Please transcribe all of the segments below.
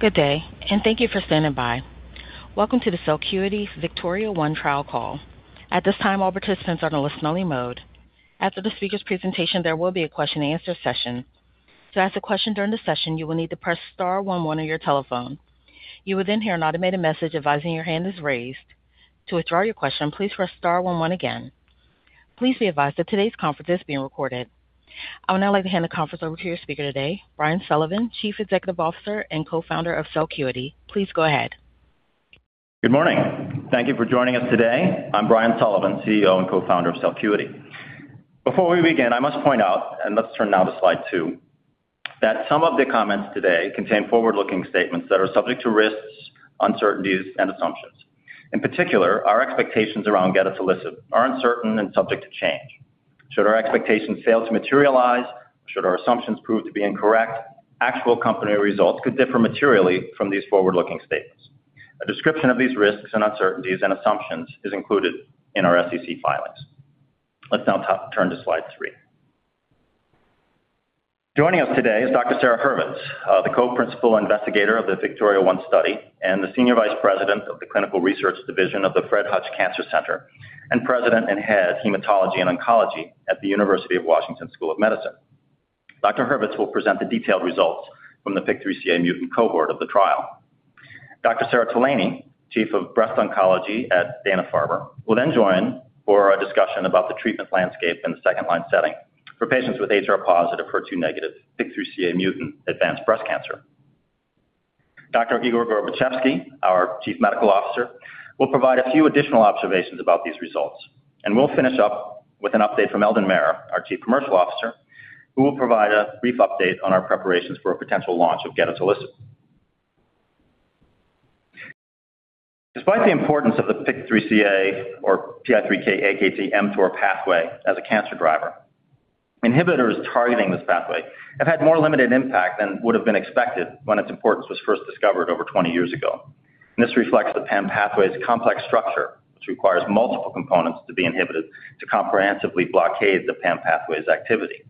Good day. Thank you for standing by. Welcome to the Celcuity VIKTORIA-1 trial call. At this time, all participants are in listen-only mode. After the speaker's presentation, there will be a question-and-answer session. To ask a question during the session, you will need to press star one one on your telephone. You will hear an automated message advising your hand is raised. To withdraw your question, please press star one one again. Please be advised that today's conference is being recorded. I would now like to hand the conference over to your speaker today, Brian Sullivan, Chief Executive Officer and Co-founder of Celcuity. Please go ahead. Good morning. Thank you for joining us today. I'm Brian Sullivan, CEO and co-founder of Celcuity. Before we begin, I must point out, let's turn now to slide two, that some of the comments today contain forward-looking statements that are subject to risks, uncertainties, and assumptions. In particular, our expectations around gedatolisib are uncertain and subject to change. Should our expectations fail to materialize, should our assumptions prove to be incorrect, actual company results could differ materially from these forward-looking statements. A description of these risks and uncertainties and assumptions is included in our SEC filings. Let's now turn to slide three. Joining us today is Dr. Sara Hurvitz, the co-principal investigator of the VIKTORIA-1 study and the Senior Vice President of the Clinical Research Division of the Fred Hutch Cancer Center and President and Head of Hematology and Oncology at the University of Washington School of Medicine. Dr. Hurvitz will present the detailed results from the PIK3CA mutant cohort of the trial. Dr. Sara Tolaney, Chief of Breast Oncology at Dana-Farber, will join for a discussion about the treatment landscape in the second-line setting for patients with HR-positive, HER2-negative, PIK3CA mutant advanced breast cancer. Dr. Igor Gorbatchevsky, our Chief Medical Officer, will provide a few additional observations about these results. We'll finish up with an update from Eldon Mayer, our Chief Commercial Officer, who will provide a brief update on our preparations for a potential launch of gedatolisib. Despite the importance of the PIK3CA or PI3K/AKT/mTOR pathway as a cancer driver, inhibitors targeting this pathway have had more limited impact than would've been expected when its importance was first discovered over 20 years ago. This reflects the PAM pathway's complex structure, which requires multiple components to be inhibited to comprehensively blockade the PAM pathway's activity.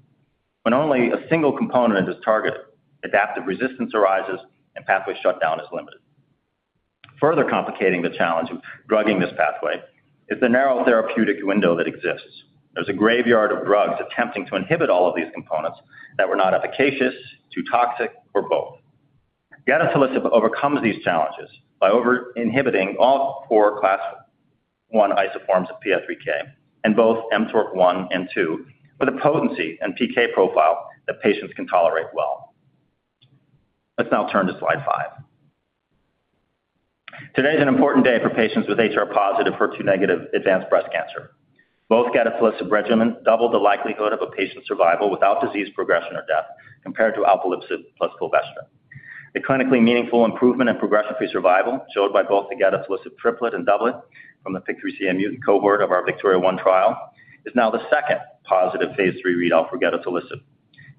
When only a single component is targeted, adaptive resistance arises and pathway shutdown is limited. Further complicating the challenge of drugging this pathway is the narrow therapeutic window that exists. There's a graveyard of drugs attempting to inhibit all of these components that were not efficacious, too toxic, or both. Gedatolisib overcomes these challenges by over inhibiting all four class 1 isoforms of PI3K and both mTOR 1 and 2 with a potency and PK profile that patients can tolerate well. Let's now turn to slide five. Today is an important day for patients with HR-positive, HER2-negative advanced breast cancer. Both gedatolisib regimen doubled the likelihood of a patient's survival without disease progression or death compared to alpelisib plus fulvestrant. A clinically meaningful improvement in progression-free survival showed by both the gedatolisib triplet and doublet from the PIK3CA mutant cohort of our VIKTORIA-1 trial is now the second positive phase III readout for gedatolisib.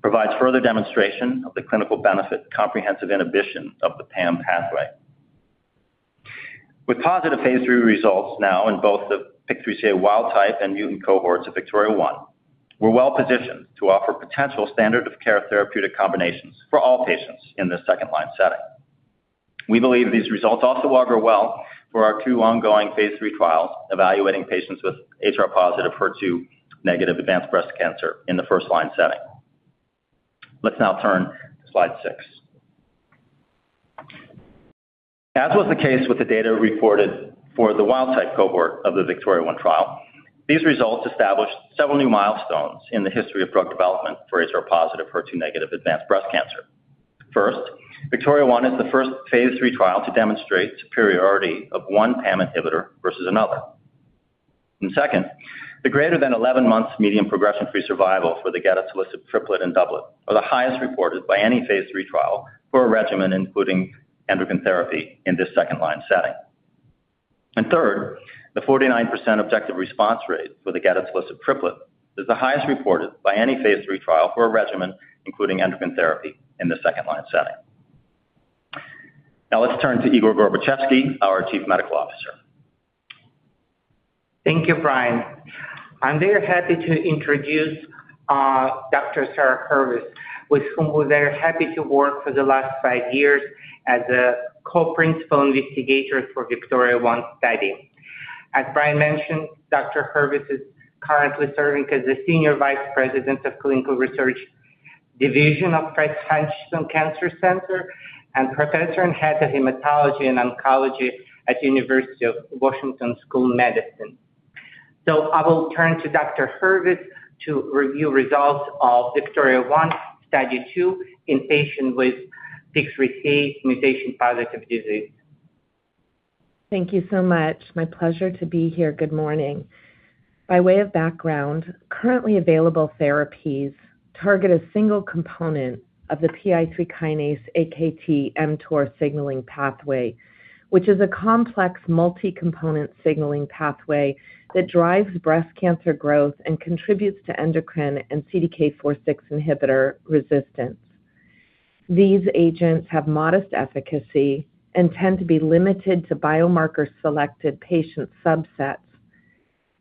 Provides further demonstration of the clinical benefit comprehensive inhibition of the PAM pathway. With positive phase III results now in both the PIK3CA wild-type and mutant cohorts of VIKTORIA-1, we're well-positioned to offer potential standard of care therapeutic combinations for all patients in the second-line setting. We believe these results also augur well for our two ongoing phase III trials evaluating patients with HR-positive, HER2-negative advanced breast cancer in the first-line setting. Let's now turn to slide six. As was the case with the data reported for the wild-type cohort of the VIKTORIA-1 trial, these results established several new milestones in the history of drug development for HR-positive, HER2-negative advanced breast cancer. VIKTORIA-1 is the first phase III trial to demonstrate superiority of one PAM inhibitor versus another. Second, the greater than 11 months median progression-free survival for the gedatolisib triplet and doublet are the highest reported by any phase III trial for a regimen including endocrine therapy in the second-line setting. Third, the 49% objective response rate for the gedatolisib triplet is the highest reported by any phase III trial for a regimen including endocrine therapy in the second-line setting. Let's turn to Igor Gorbatchevsky, our Chief Medical Officer. Thank you, Brian. I'm very happy to introduce, Dr. Sara Hurvitz, with whom we're very happy to work for the last five years as a co-principal investigator for VIKTORIA-1 Study. As Brian mentioned, Dr. Hurvitz is currently serving as the Senior Vice President of Clinical Research Division of Fred Hutch Cancer Center and Professor and Head of Hematology and Oncology at University of Washington School of Medicine. I will turn to Dr. Hurvitz to review results of VIKTORIA-1 Study two in patient with PIK3CA mutation-positive disease. Thank you so much. My pleasure to be here. Good morning. By way of background, currently available therapies target a single component of the PI3K/AKT/mTOR signaling pathway, which is a complex multi-component signaling pathway that drives breast cancer growth and contributes to endocrine and CDK4/6 inhibitor resistance. These agents have modest efficacy and tend to be limited to biomarker-selected patient subsets.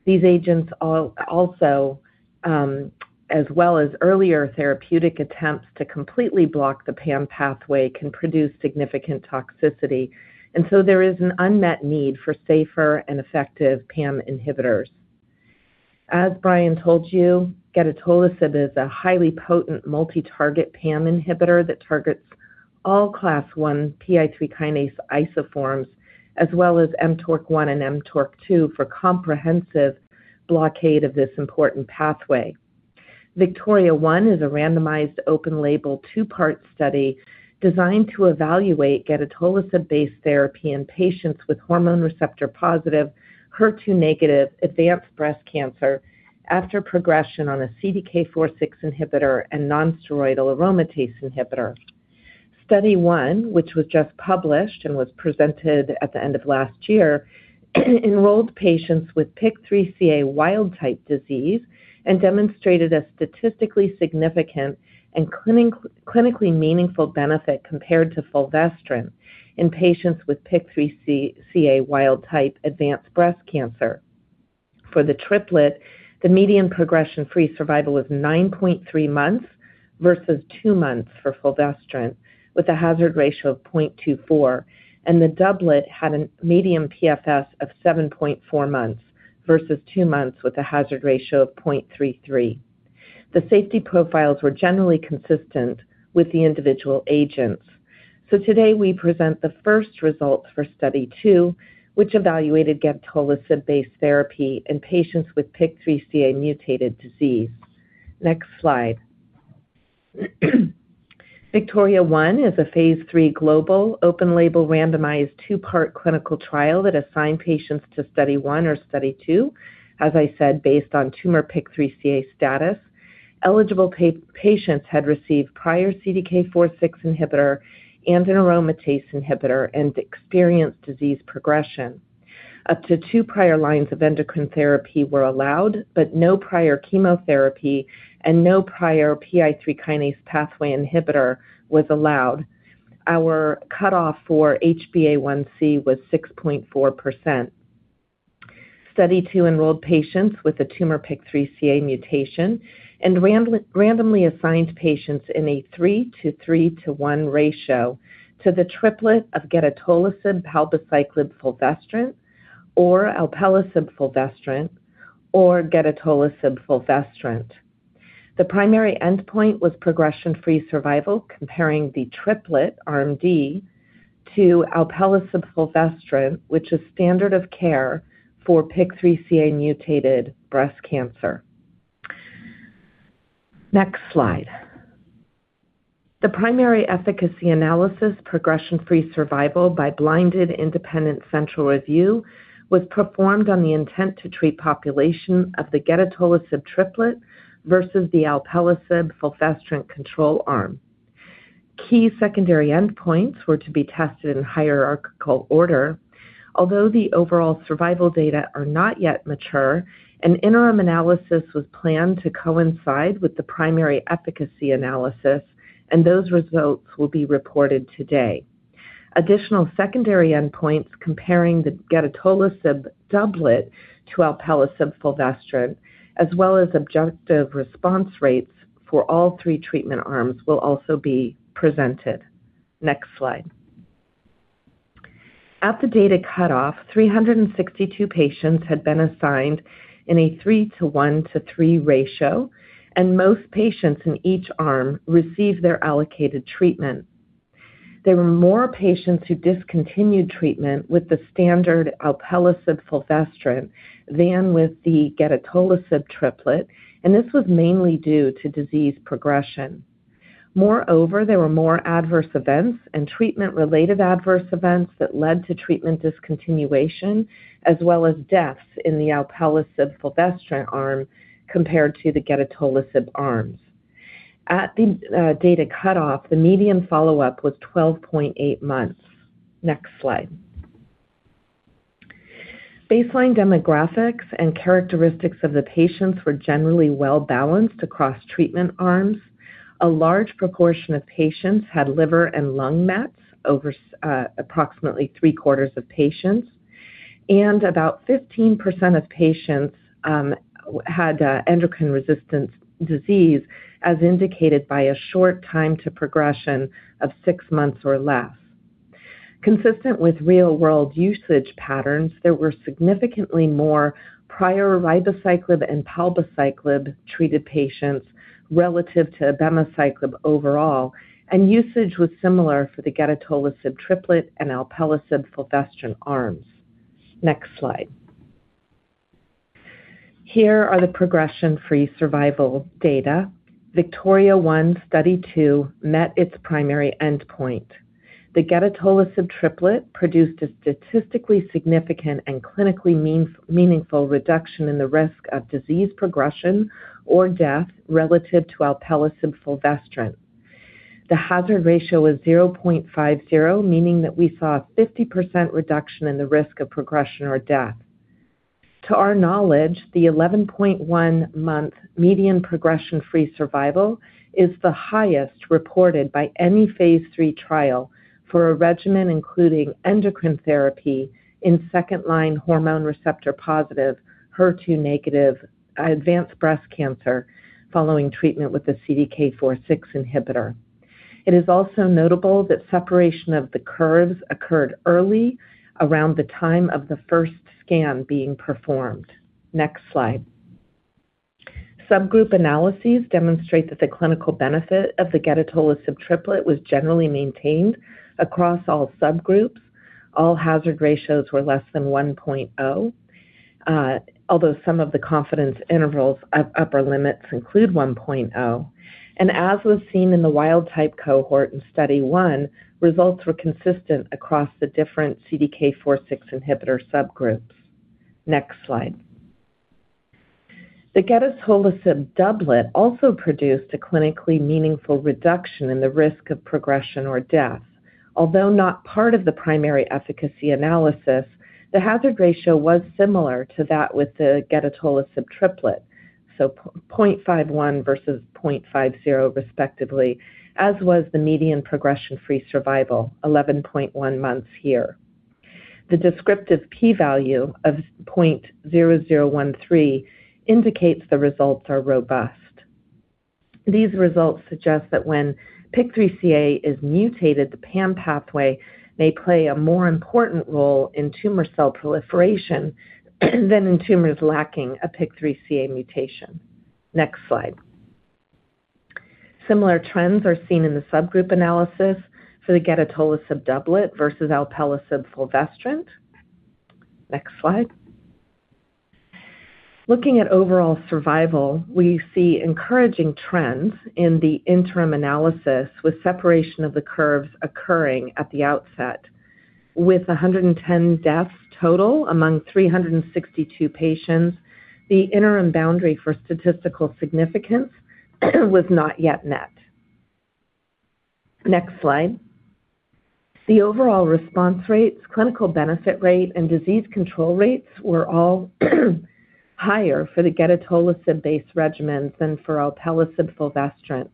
These agents also, as well as earlier therapeutic attempts to completely block the PAM pathway, can produce significant toxicity. There is an unmet need for safer and effective PAM inhibitors. As Brian told you, gedatolisib is a highly potent multi-target PAM inhibitor that targets all class 1 PI3K isoforms, as well as mTORC1 and mTORC2 for comprehensive blockade of this important pathway. VIKTORIA-1 is a randomized, open-label, 2-part study designed to evaluate gedatolisib-based therapy in patients with hormone receptor-positive, HER2-negative advanced breast cancer after progression on a CDK4/6 inhibitor and nonsteroidal aromatase inhibitor. Study 1, which was just published and was presented at the end of last year, enrolled patients with PIK3CA wild-type disease and demonstrated a statistically significant and clinically meaningful benefit compared to fulvestrant in patients with PIK3CA wild-type advanced breast cancer. For the triplet, the median progression-free survival was 9.3 months versus two months for fulvestrant, with a hazard ratio of 0.24, and the doublet had a median PFS of 7.4 months versus two months with a hazard ratio of 0.33. The safety profiles were generally consistent with the individual agents. Today we present the first results for Study 2, which evaluated gedatolisib-based therapy in patients with PIK3CA mutated disease. Next slide. VIKTORIA-1 is a phase III global open-label randomized two-part clinical trial that assigned patients to study 1 or study 2, as I said, based on tumor PIK3CA status. Eligible patients had received prior CDK4/6 inhibitor and an aromatase inhibitor and experienced disease progression. Up to two prior lines of endocrine therapy were allowed, but no prior chemotherapy and no prior PI3 kinase pathway inhibitor was allowed. Our cutoff for HbA1c was 6.4%. Study 2 enrolled patients with a tumor PIK3CA mutation and randomly assigned patients in a 3:3:1 ratio to the triplet of gedatolisib, palbociclib, fulvestrant or alpelisib, fulvestrant or gedatolisib, fulvestrant. The primary endpoint was progression-free survival, comparing the triplet arm D to alpelisib fulvestrant, which is standard of care for PIK3CA mutated breast cancer. Next slide. The primary efficacy analysis, progression-free survival by blinded independent central review was performed on the intent-to-treat population of the gedatolisib triplet versus the alpelisib fulvestrant control arm. Key secondary endpoints were to be tested in hierarchical order. Although the overall survival data are not yet mature, an interim analysis was planned to coincide with the primary efficacy analysis, and those results will be reported today. Additional secondary endpoints comparing the gedatolisib doublet to alpelisib fulvestrant, as well as objective response rates for all three treatment arms, will also be presented. Next slide. At the data cutoff, 362 patients had been assigned in a 3:1:3 ratio, and most patients in each arm received their allocated treatment. There were more patients who discontinued treatment with the standard alpelisib fulvestrant than with the gedatolisib triplet, and this was mainly due to disease progression. Moreover, there were more adverse events and treatment-related adverse events that led to treatment discontinuation, as well as deaths in the alpelisib fulvestrant arm compared to the gedatolisib arms. At the data cutoff, the median follow-up was 12.8 months. Next slide. Baseline demographics and characteristics of the patients were generally well-balanced across treatment arms. A large proportion of patients had liver and lung mets, over approximately three-quarters of patients. About 15% of patients had endocrine resistance disease, as indicated by a short time to progression of six months or less. Consistent with real-world usage patterns, there were significantly more prior ribociclib and palbociclib-treated patients relative to abemaciclib overall, and usage was similar for the gedatolisib triplet and alpelisib fulvestrant arms. Next slide. Here are the progression-free survival data. VIKTORIA-1 study II met its primary endpoint. The gedatolisib triplet produced a statistically significant and clinically meaningful reduction in the risk of disease progression or death relative to alpelisib fulvestrant. The hazard ratio was 0.50, meaning that we saw a 50% reduction in the risk of progression or death. To our knowledge, the 11.1-month median progression-free survival is the highest reported by any phase III trial for a regimen including endocrine therapy in second-line hormone receptor-positive, HER2-negative advanced breast cancer following treatment with a CDK4/6 inhibitor. It is also notable that separation of the curves occurred early around the time of the first scan being performed. Next slide. Subgroup analyses demonstrate that the clinical benefit of the gedatolisib triplet was generally maintained across all subgroups. All hazard ratios were less than 1.0, although some of the confidence intervals of upper limits include 1.0. As was seen in the wild-type cohort in Study 1, results were consistent across the different CDK4/6 inhibitor subgroups. Next slide. The gedatolisib doublet also produced a clinically meaningful reduction in the risk of progression or death. Although not part of the primary efficacy analysis, the hazard ratio was similar to that with the gedatolisib triplet, 0.51 versus 0.50 respectively, as was the median progression-free survival, 11.1 months here. The descriptive P value of 0.0013 indicates the results are robust. These results suggest that when PIK3CA is mutated, the PAM pathway may play a more important role in tumor cell proliferation than in tumors lacking a PIK3CA mutation. Next slide. Similar trends are seen in the subgroup analysis for the gedatolisib doublet versus alpelisib fulvestrant. Next slide. Looking at overall survival, we see encouraging trends in the interim analysis, with separation of the curves occurring at the outset. With 110 deaths total among 362 patients, the interim boundary for statistical significance was not yet met. Next slide. The overall response rates, clinical benefit rate, and disease control rates were all higher for the gedatolisib-based regimens than for alpelisib fulvestrant.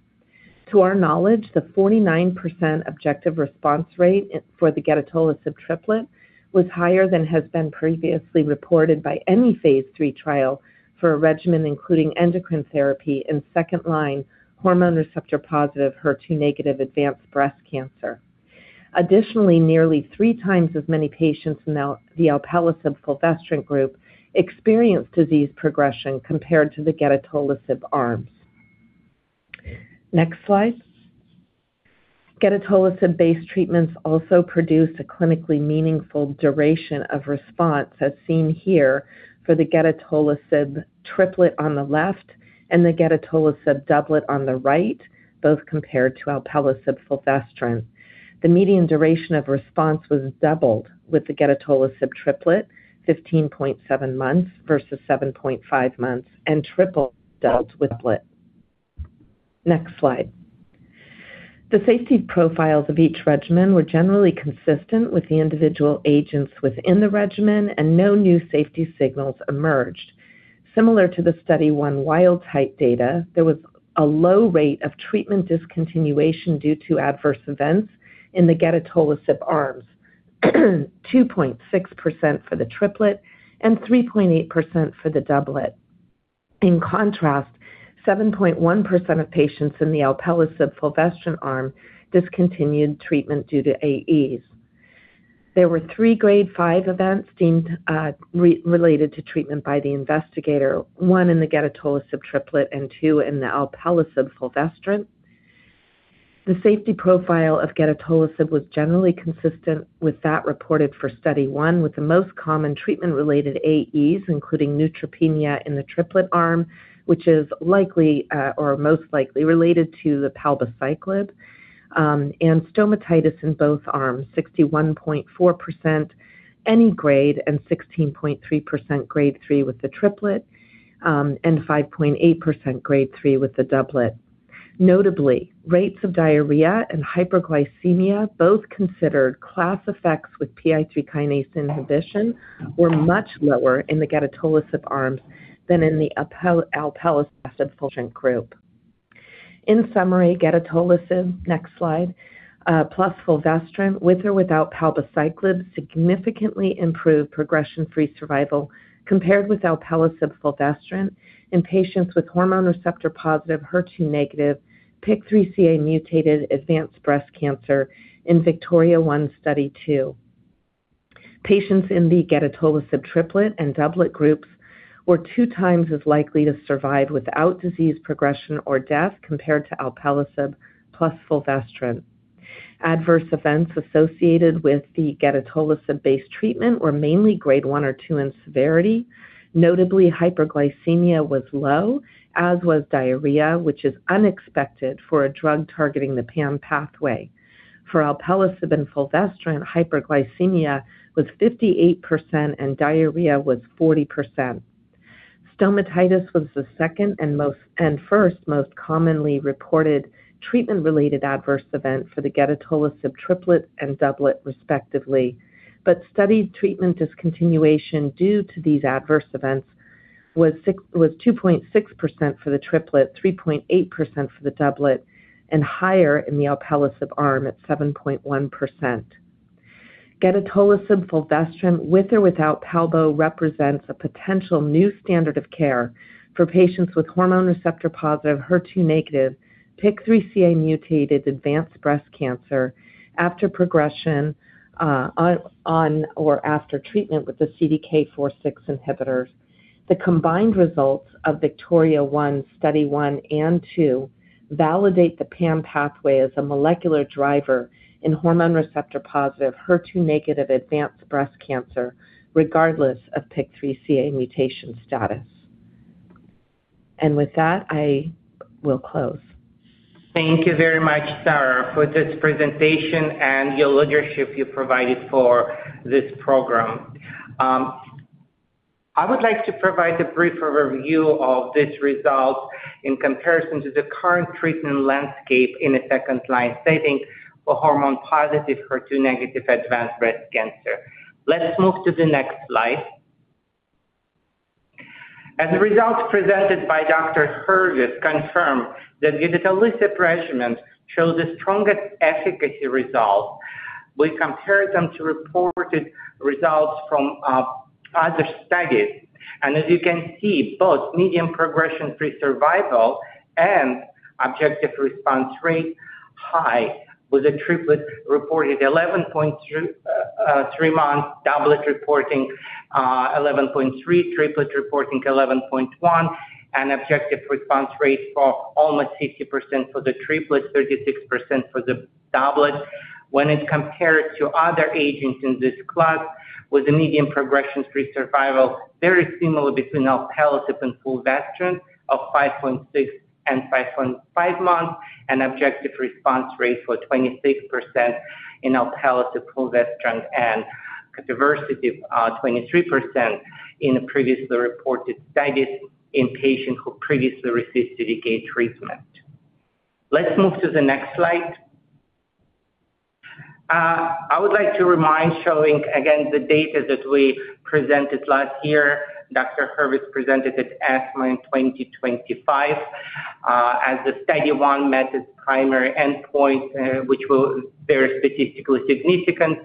To our knowledge, the 49% objective response rate for the gedatolisib triplet was higher than has been previously reported by any phase III trial for a regimen including endocrine therapy in second-line hormone receptor-positive, HER2-negative advanced breast cancer. Nearly three times as many patients in the alpelisib fulvestrant group experienced disease progression compared to the gedatolisib arms. Next slide. Gedatolisib-based treatments also produce a clinically meaningful duration of response, as seen here for the gedatolisib triplet on the left and the gedatolisib doublet on the right, both compared to alpelisib fulvestrant. The median duration of response was doubled with the gedatolisib triplet, 15.7 months versus 7.5 months, and tripled with the doublet. Next slide. The safety profiles of each regimen were generally consistent with the individual agents within the regimen, and no new safety signals emerged. Similar to the Study 1 wild type data, there was a low rate of treatment discontinuation due to adverse events in the gedatolisib arms. 2.6% for the triplet and 3.8% for the doublet. In contrast, 7.1% of patients in the alpelisib fulvestrant arm discontinued treatment due to AEs. There were three Grade 5 events deemed related to treatment by the investigator, one in the gedatolisib triplet and two in the alpelisib fulvestrant. The safety profile of gedatolisib was generally consistent with that reported for Study 1, with the most common treatment-related AEs including neutropenia in the triplet arm, which is most likely related to the palbociclib, and stomatitis in both arms, 61.4% any grade and 16.3% Grade 3 with the triplet, and 5.8% Grade 3 with the doublet. Notably, rates of diarrhea and hyperglycemia, both considered class effects with PI3K inhibition, were much lower in the gedatolisib arms than in the alpelisib fulvestrant group. In summary, gedatolisib, next slide, plus fulvestrant with or without palbociclib significantly improved progression-free survival compared with alpelisib fulvestrant in patients with hormone receptor-positive, HER2-negative, PIK3CA-mutated advanced breast cancer in VIKTORIA-1 Study 2. Patients in the gedatolisib triplet and doublet groups were 2x as likely to survive without disease progression or death compared to alpelisib plus fulvestrant. Adverse events associated with the gedatolisib-based treatment were mainly Grade 1 or 2 in severity. Notably, hyperglycemia was low, as was diarrhea, which is unexpected for a drug targeting the PAM pathway. For alpelisib and fulvestrant, hyperglycemia was 58% and diarrhea was 40%. Stomatitis was the second and first most commonly reported treatment-related adverse event for the gedatolisib triplet and doublet respectively. Studied treatment discontinuation due to these adverse events was 2.6% for the triplet, 3.8% for the doublet, and higher in the alpelisib arm at 7.1%. Gedatolisib fulvestrant, with or without palbo, represents a potential new standard of care for patients with hormone receptor-positive, HER2-negative, PIK3CA-mutated advanced breast cancer after progression on or after treatment with the CDK4/6 inhibitors. The combined results of VIKTORIA-1 Study One and Two validate the PAM pathway as a molecular driver in hormone receptor-positive, HER2-negative advanced breast cancer, regardless of PIK3CA mutation status. With that, I will close. Thank you very much, Sara, for this presentation and your leadership you provided for this program. I would like to provide a brief review of these results in comparison to the current treatment landscape in a second-line setting for HR-positive, HER2-negative advanced breast cancer. Let's move to the next slide. The results presented by Dr. Hurvitz confirm that gedatolisib regimen shows the strongest efficacy results. We compared them to reported results from other studies. As you can see, both median progression-free survival and objective response rate high, with a triplet reporting 11.3 months, doublet reporting 11.3, triplets reporting 11.1, and objective response rates for almost 60% for the triplets, 36% for the doublet. When it's compared to other agents in this class with a median progression-free survival, very similar between alpelisib and fulvestrant of 5.6 and 5.5 months. Objective response rate was 26% in alpelisib fulvestrant and capivasertib of 23% in previously reported studies in patients who previously received CDK treatment. Let's move to the next slide. I would like to remind showing again the data that we presented last year. Dr. Hurvitz presented at ESMO in 2025 as the study one met it's primary endpoint, which was very statistically significant.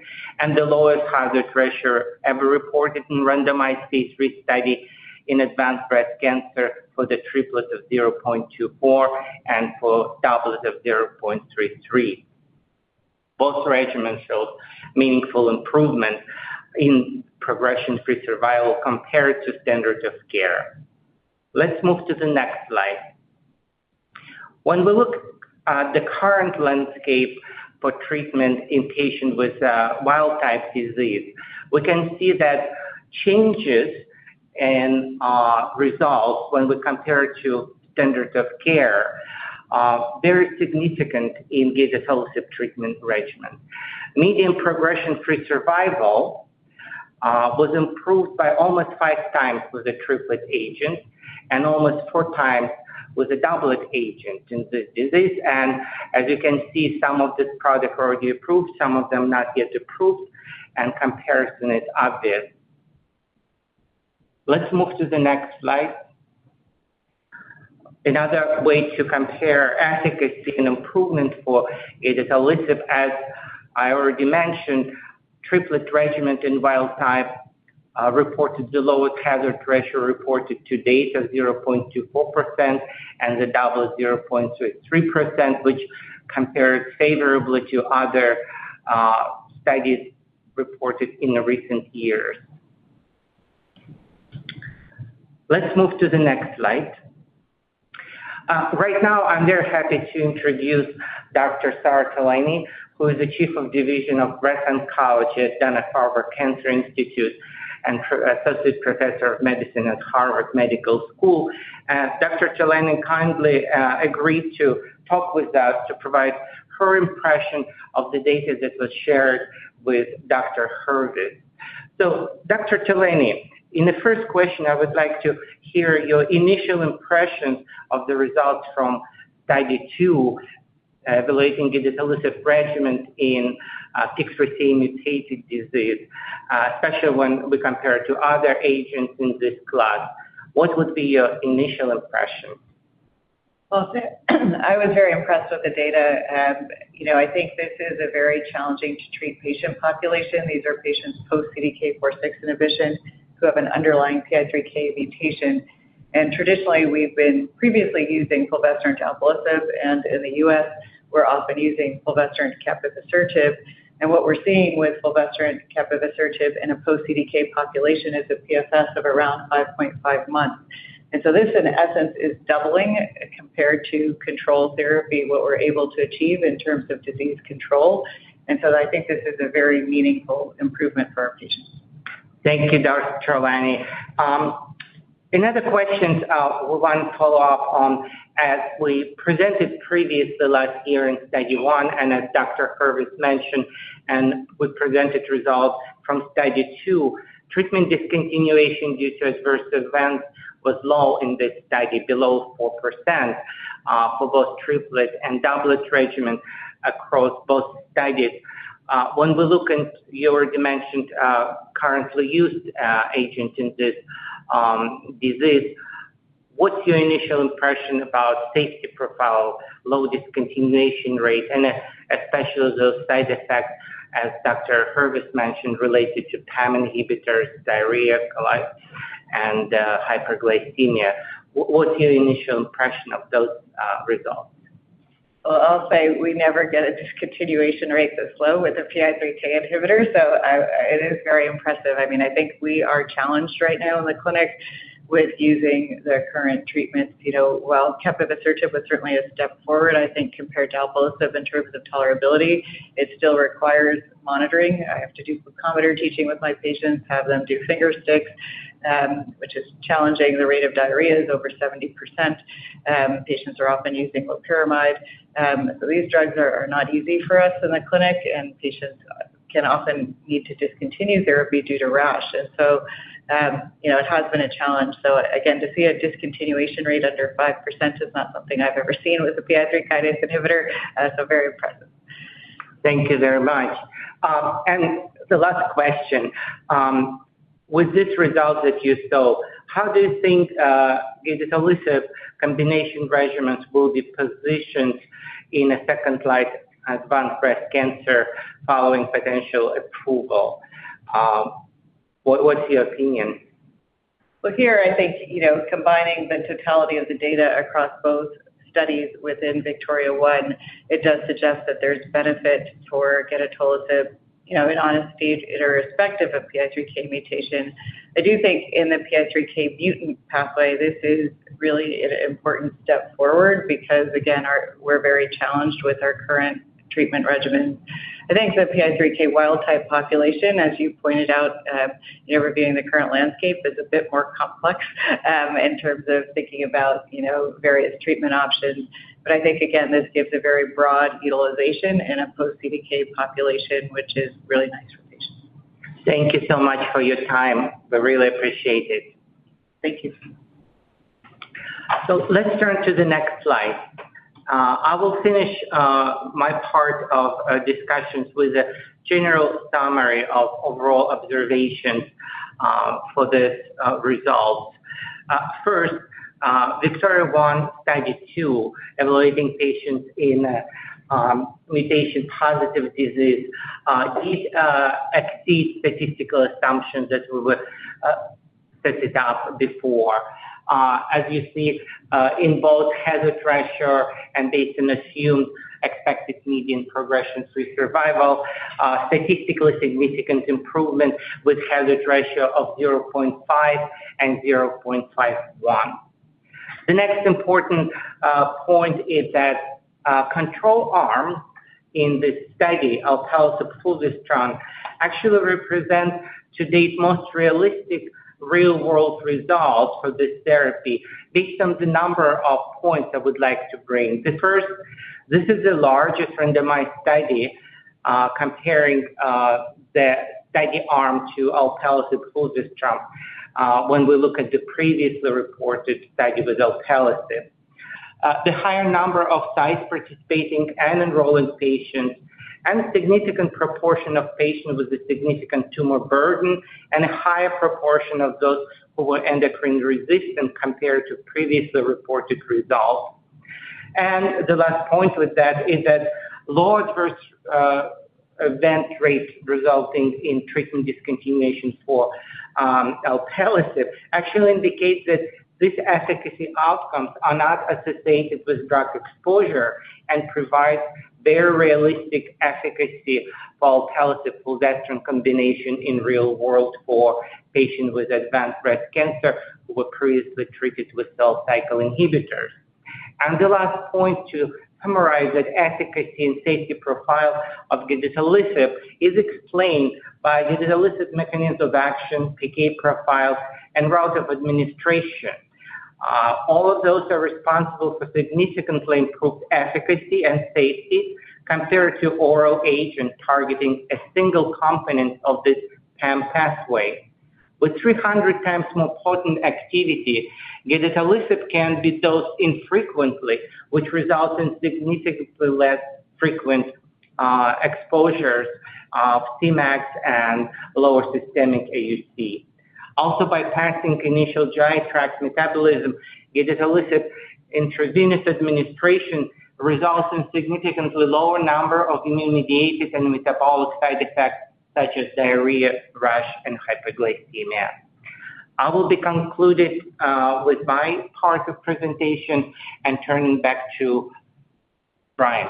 The lowest hazard ratio ever reported in randomized phase III study in advanced breast cancer for the triplet of 0.24 and for doublet of 0.33. Both regimens showed meaningful improvement in progression-free survival compared to standards of care. Let's move to the next slide. When we look at the current landscape for treatment in patients with wild-type disease, we can see that changes and results when we compare it to standards of care are very significant in gedatolisib treatment regimen. Median progression-free survival was improved by almost 5x with a triplet agent and almost four times with a doublet agent in this disease. As you can see, some of these products are already approved, some of them not yet approved, and comparison is obvious. Let's move to the next slide. Another way to compare efficacy and improvement for gedatolisib, as I already mentioned, triplet regimen in wild type reported the lowest hazard ratio reported to date of 0.24% and the doublet 0.33%, which compares favorably to other studies reported in the recent years. Let's move to the next slide. Right now, I'm very happy to introduce Dr. Sara Tolaney, who is the Chief of Division of Breast Oncology at Dana-Farber Cancer Institute and Associate Professor of Medicine at Harvard Medical School. Dr. Tolaney kindly agreed to talk with us to provide her impression of the data that was shared with Dr. Hurvitz. Dr. Tolaney, in the first question, I would like to hear your initial impressions of the results from study 2 relating gedatolisib regimen in PIK3CA-mutated disease, especially when we compare it to other agents in this class. What would be your initial impression? Well, I was very impressed with the data. I think this is a very challenging-to-treat patient population. These are patients post CDK4/6 inhibition who have an underlying PI3K mutation. Traditionally, we've been previously using fulvestrant alpelisib, and in the U.S. we're often using fulvestrant capivasertib. What we're seeing with fulvestrant capivasertib in a post CDK population is a PFS of around 5.5 months. This, in essence, is doubling compared to control therapy, what we're able to achieve in terms of disease control. I think this is a very meaningful improvement for our patients. Thank you, Dr. Tolaney. Another question we want to follow up on, as we presented previously last year in study one, and as Dr. Hurvitz mentioned and with presented results from study two. Treatment discontinuation due to adverse events was low in this study, below 4% for both triplet and doublet regimens across both studies. When we look at your dimensions, currently used agent in this disease, what's your initial impression about safety profile, low discontinuation rate, and especially those side effects, as Dr. Hurvitz mentioned, related to PAM inhibitors, diarrhea, colitis, and hyperglycemia? What's your initial impression of those results? Well, I'll say we never get a discontinuation rate this low with a PI3K inhibitor, so it is very impressive. I think we are challenged right now in the clinic with using the current treatments. While capivasertib was certainly a step forward, I think, compared to alpelisib in terms of tolerability, it still requires monitoring. I have to do glucometer teaching with my patients, have them do finger sticks, which is challenging. The rate of diarrhea is over 70%. Patients are often using loperamide. These drugs are not easy for us in the clinic, and patients can often need to discontinue therapy due to rash. It has been a challenge. Again, to see a discontinuation rate under 5% is not something I've ever seen with a PI3K inhibitor. Very impressive. Thank you very much. The last question. With these results that you saw, how do you think gedatolisib combination regimens will be positioned in a second line advanced breast cancer following potential approval? What's your opinion? Here, I think, combining the totality of the data across both studies within VIKTORIA-1, it does suggest that there's benefit for gedatolisib in honest stage irrespective of PI3K mutation. I do think in the PI3K mutant pathway, this is really an important step forward because, again, we're very challenged with our current treatment regimen. I think the PI3K wild-type population, as you pointed out, reviewing the current landscape, is a bit more complex in terms of thinking about various treatment options. I think, again, this gives a very broad utilization in a post-CDK population, which is really nice for patients. Thank you so much for your time. We really appreciate it. Thank you. Let's turn to the next slide. I will finish my part of discussions with a general summary of overall observations for these results. First, VIKTORIA-1 Study 2, evaluating patients in mutation-positive disease, did exceed statistical assumptions that we would set it up before. As you see, in both hazard ratio and based on assumed expected median progression-free survival, statistically significant improvement with hazard ratio of 0.5 and 0.51. The next important point is that control arm in this study, alpelisib fulvestrant, actually represents to date most realistic real-world results for this therapy based on the number of points I would like to bring. The first, this is the largest randomized study comparing the study arm to alpelisib fulvestrant when we look at the previously reported study with alpelisib. The higher number of sites participating and enrolling patients, a significant proportion of patients with a significant tumor burden, and a higher proportion of those who were endocrine resistant compared to previously reported results. The last point with that is that low adverse event rates resulting in treatment discontinuation for alpelisib actually indicates that these efficacy outcomes are not associated with drug exposure and provide very realistic efficacy for alpelisib fulvestrant combination in real world for patients with advanced breast cancer who were previously treated with cell cycle inhibitors. The last point to summarize that efficacy and safety profile of gedatolisib is explained by gedatolisib mechanism of action, PK profile, and route of administration. All of those are responsible for significantly improved efficacy and safety compared to oral agent targeting a single component of this PAM pathway. With 300 times more potent activity, gedatolisib can be dosed infrequently, which results in significantly less frequent exposures of Cmax and lower systemic AUC. Also, bypassing initial GI tract metabolism, gedatolisib intravenous administration results in significantly lower number of immune-mediated and metabolic side effects such as diarrhea, rash, and hyperglycemia. I will be concluded with my part of presentation and turning back to Brian.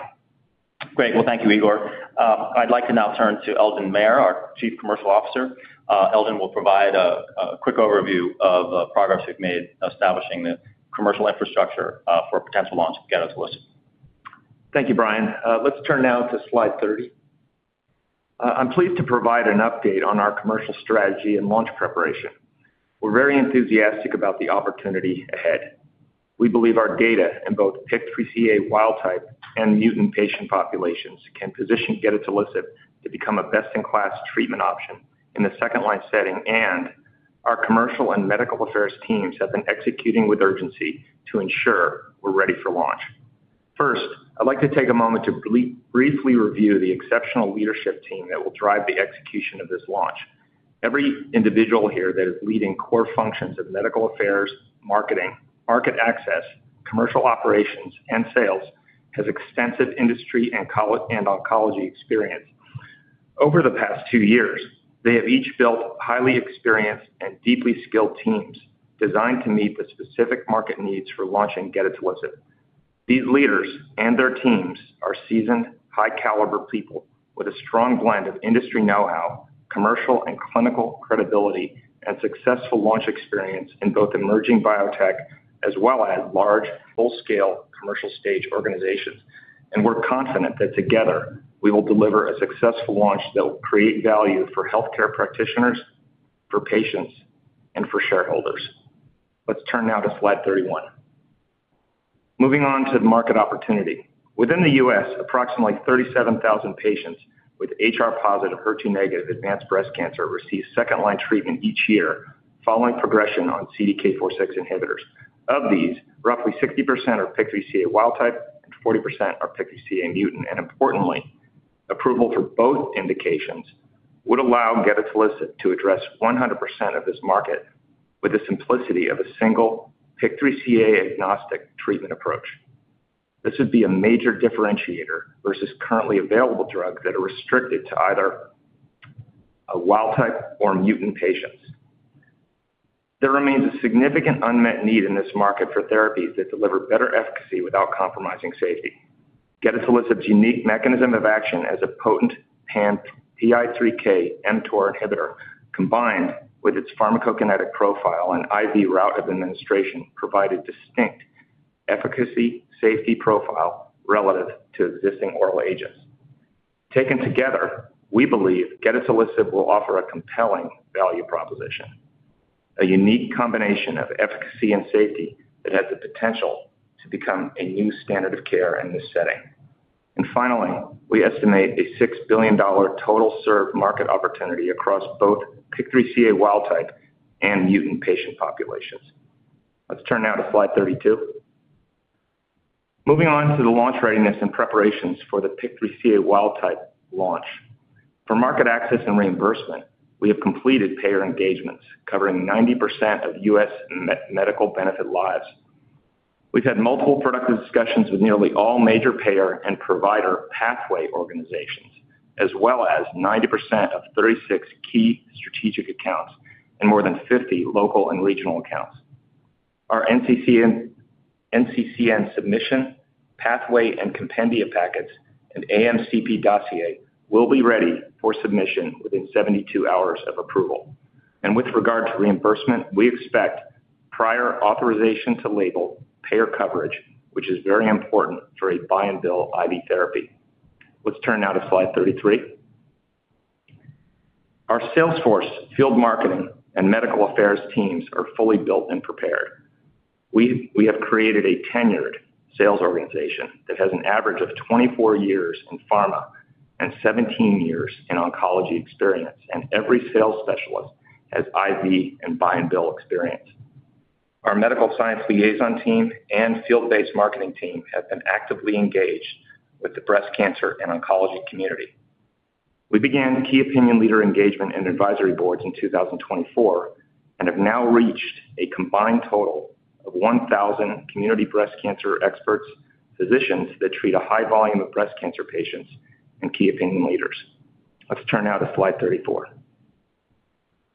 Great. Well, thank you, Igor. I'd like to now turn to Eldon Mayer, our Chief Commercial Officer. Eldon will provide a quick overview of the progress we've made establishing the commercial infrastructure for potential launch of gedatolisib. Thank you, Brian. Let's turn now to slide 30. I'm pleased to provide an update on our commercial strategy and launch preparation. We're very enthusiastic about the opportunity ahead. We believe our data in both PIK3CA wild type and mutant patient populations can position gedatolisib to become a best-in-class treatment option in the second-line setting, and our commercial and medical affairs teams have been executing with urgency to ensure we're ready for launch. I'd like to take a moment to briefly review the exceptional leadership team that will drive the execution of this launch. Every individual here that is leading core functions of medical affairs, marketing, market access, commercial operations, and sales, has extensive industry and oncology experience. Over the past two years, they have each built highly experienced and deeply skilled teams designed to meet the specific market needs for launching gedatolisib. These leaders and their teams are seasoned, high-caliber people with a strong blend of industry know-how, commercial and clinical credibility, and successful launch experience in both emerging biotech as well as large, full-scale commercial stage organizations. We're confident that together, we will deliver a successful launch that will create value for healthcare practitioners, for patients, and for shareholders. Let's turn now to slide 31. Moving on to the market opportunity. Within the U.S., approximately 37,000 patients with HR-positive, HER2-negative advanced breast cancer receive second-line treatment each year following progression on CDK4/6 inhibitors. Of these, roughly 60% are PIK3CA wild type and 40% are PIK3CA mutant. Importantly, approval for both indications would allow gedatolisib to address 100% of this market with the simplicity of a single PIK3CA-agnostic treatment approach. This would be a major differentiator versus currently available drugs that are restricted to either a wild type or mutant patients. There remains a significant unmet need in this market for therapies that deliver better efficacy without compromising safety. gedatolisib's unique mechanism of action as a potent pan-PI3K/mTOR inhibitor, combined with its pharmacokinetic profile and IV route of administration, provide a distinct efficacy, safety profile relative to existing oral agents. Taken together, we believe gedatolisib will offer a compelling value proposition, a unique combination of efficacy and safety that has the potential to become a new standard of care in this setting. Finally, we estimate a $6 billion total served market opportunity across both PIK3CA wild type and mutant patient populations. Let's turn now to slide 32. Moving on to the launch readiness and preparations for the PIK3CA wild type launch For market access and reimbursement, we have completed payer engagements covering 90% of U.S. medical benefit lives. We've had multiple productive discussions with nearly all major payer and provider pathway organizations, as well as 90% of 36 key strategic accounts and more than 50 local and regional accounts. Our NCCN submission, pathway and compendia packets, and AMCP dossier will be ready for submission within 72 hours of approval. With regard to reimbursement, we expect prior authorization to label payer coverage, which is very important for a buy and bill IV therapy. Let's turn now to slide 33. Our salesforce, field marketing, and medical affairs teams are fully built and prepared. We have created a tenured sales organization that has an average of 24 years in pharma and 17 years in oncology experience, and every sales specialist has IV and buy and bill experience. Our medical science liaison team and field-based marketing team have been actively engaged with the breast cancer and oncology community. We began key opinion leader engagement and advisory boards in 2024 and have now reached a combined total of 1,000 community breast cancer experts, physicians that treat a high volume of breast cancer patients, and key opinion leaders. Let's turn now to slide 34.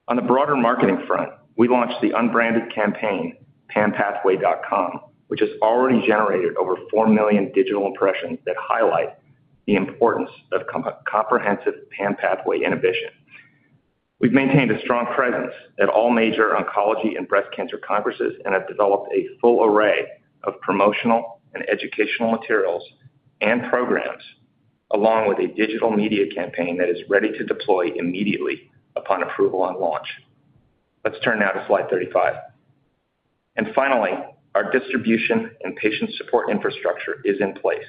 On the broader marketing front, we launched the unbranded campaign, panpathway.com, which has already generated over 4 million digital impressions that highlight the importance of comprehensive pan-pathway inhibition. We've maintained a strong presence at all major oncology and breast cancer congresses and have developed a full array of promotional and educational materials and programs, along with a digital media campaign that is ready to deploy immediately upon approval and launch. Let's turn now to slide 35. Finally, our distribution and patient support infrastructure is in place.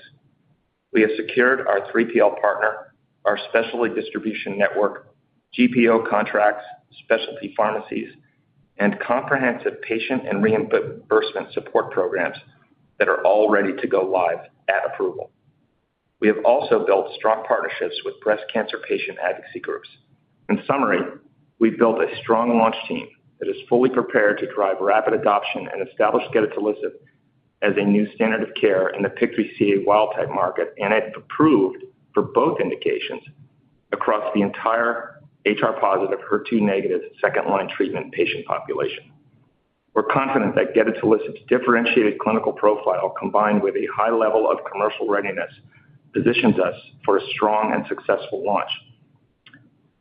We have secured our 3PL partner, our specialty distribution network, GPO contracts, specialty pharmacies, and comprehensive patient and reimbursement support programs that are all ready to go live at approval. We have also built strong partnerships with breast cancer patient advocacy groups. In summary, we've built a strong launch team that is fully prepared to drive rapid adoption and establish gedatolisib as a new standard of care in the PIK3CA wild type market and if approved for both indications across the entire HR-positive, HER2-negative second-line treatment patient population. We're confident that gedatolisib's differentiated clinical profile, combined with a high level of commercial readiness, positions us for a strong and successful launch.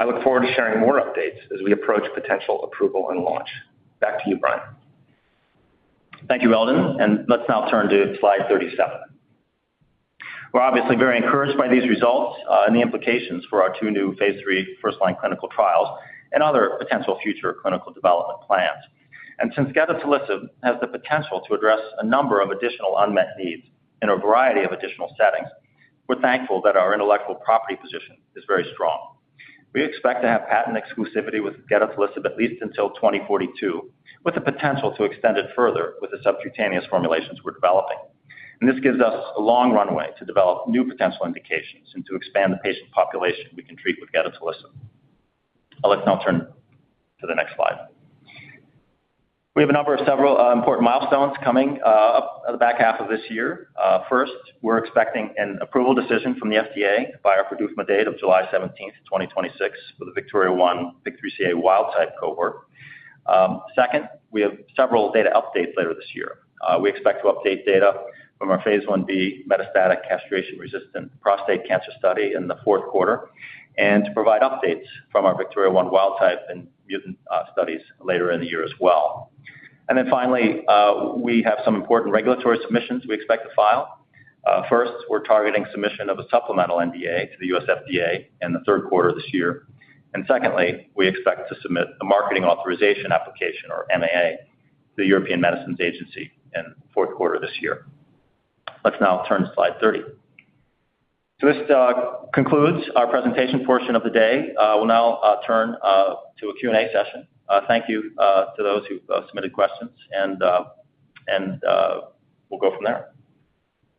I look forward to sharing more updates as we approach potential approval and launch. Back to you, Brian. Thank you, Eldon. Let's now turn to slide 37. We're obviously very encouraged by these results and the implications for our two new phase III first-line clinical trials and other potential future clinical development plans. Since gedatolisib has the potential to address a number of additional unmet needs in a variety of additional settings, we're thankful that our intellectual property position is very strong. We expect to have patent exclusivity with gedatolisib at least until 2042, with the potential to extend it further with the subcutaneous formulations we're developing. This gives us a long runway to develop new potential indications and to expand the patient population we can treat with gedatolisib. Let's now turn to the next slide. We have a number of several important milestones coming up at the back half of this year. We're expecting an approval decision from the FDA by our PDUFA date of July 17th, 2026 for the VIKTORIA-1 PIK3CA wild type cohort. We have several data updates later this year. We expect to update data from our phase I-B metastatic castration-resistant prostate cancer study in the fourth quarter and to provide updates from our VIKTORIA-1 wild type and mutant studies later in the year as well. We have some important regulatory submissions we expect to file. We're targeting submission of a supplemental NDA to the U.S. FDA in the third quarter of this year. We expect to submit a marketing authorization application or MAA to the European Medicines Agency in the fourth quarter of this year. Let's now turn to slide 30. This concludes our presentation portion of the day. We'll now turn to a Q&A session. Thank you to those who've submitted questions, and we'll go from there.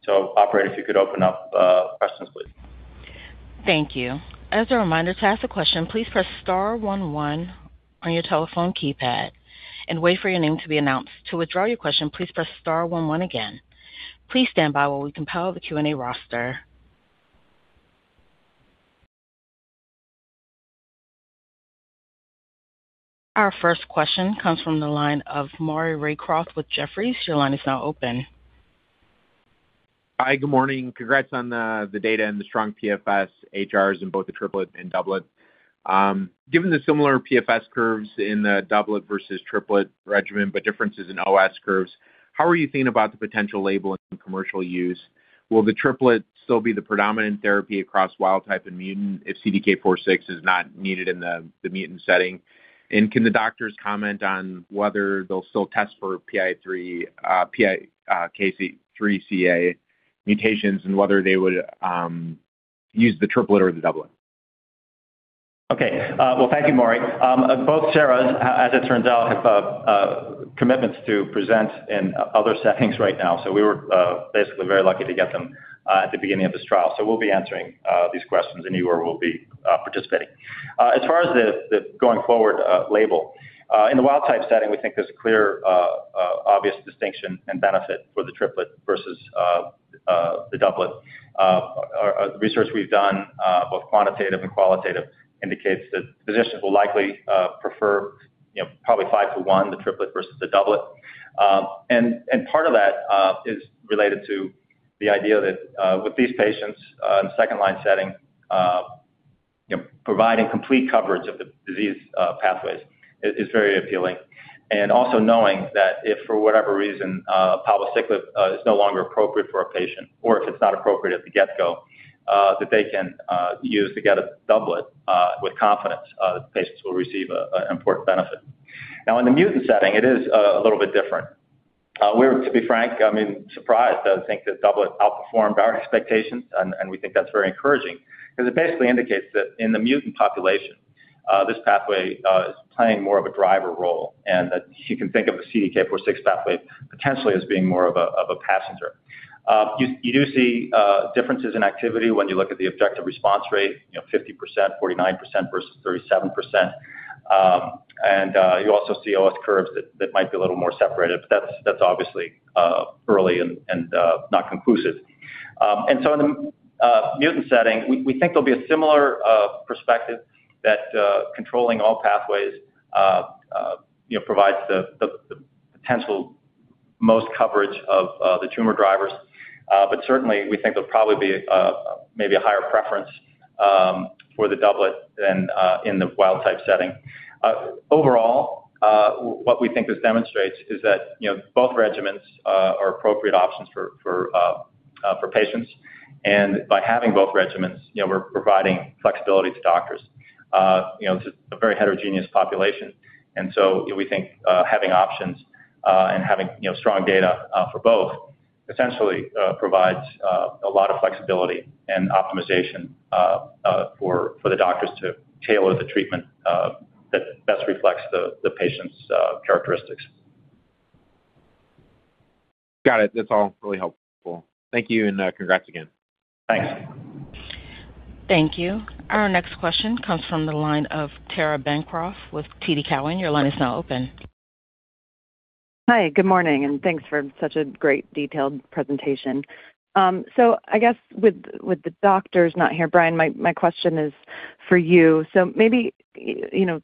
Operator, if you could open up questions, please. Thank you. As a reminder, to ask a question, please press star one one on your telephone keypad and wait for your name to be announced. To withdraw your question, please press star one one again. Please stand by while we compile the Q&A roster. Our first question comes from the line of Maury Raycroft with Jefferies. Your line is now open. Hi, good morning. Congrats on the data and the strong PFS HRs in both the triplet and doublet. Given the similar PFS curves in the doublet versus triplet regimen, but differences in OS curves, how are you thinking about the potential label in commercial use? Will the triplet still be the predominant therapy across wild type and mutant if CDK4/6 is not needed in the mutant setting? Can the doctors comment on whether they'll still test for PIK3CA mutations and whether they would use the triplet or the doublet? Okay. Well, thank you, Maury. Both Saras, as it turns out, have commitments to present in other settings right now, so we were basically very lucky to get them at the beginning of this trial. We'll be answering these questions, and Igor will be participating. As far as the going forward label, in the wild type setting, we think there's a clear, obvious distinction and benefit for the triplet versus the doublet. Research we've done, both quantitative and qualitative, indicates that physicians will likely prefer probably 5-1 the triplet versus the doublet. Part of that is related to the idea that with these patients in second-line setting, providing complete coverage of the disease pathways is very appealing. Also knowing that if for whatever reason palbociclib is no longer appropriate for a patient, or if it's not appropriate at the get-go, that they can use the getta doublet with confidence that patients will receive an important benefit. In the mutant setting, it is a little bit different. We were, to be frank, surprised. I think the doublet outperformed our expectations, and we think that's very encouraging because it basically indicates that in the mutant population, this pathway is playing more of a driver role and that you can think of the CDK4/6 pathway potentially as being more of a passenger. You do see differences in activity when you look at the objective response rate, 50%, 49% versus 37%. You also see OS curves that might be a little more separated, but that's obviously early and not conclusive. In the mutant setting, we think there'll be a similar perspective that controlling all pathways provides the potential most coverage of the tumor drivers. We think there'll probably be maybe a higher preference for the doublet than in the wild type setting. Overall, what we think this demonstrates is that both regimens are appropriate options for patients. By having both regimens, we're providing flexibility to doctors. This is a very heterogeneous population, we think having options and having strong data for both essentially provides a lot of flexibility and optimization for the doctors to tailor the treatment that best reflects the patient's characteristics. Got it. That's all really helpful. Thank you, and congrats again. Thanks. Thank you. Our next question comes from the line of Tara Bancroft with TD Cowen. Your line is now open. Hi, good morning, thanks for such a great detailed presentation. I guess with the doctors not here, Brian, my question is for you. Maybe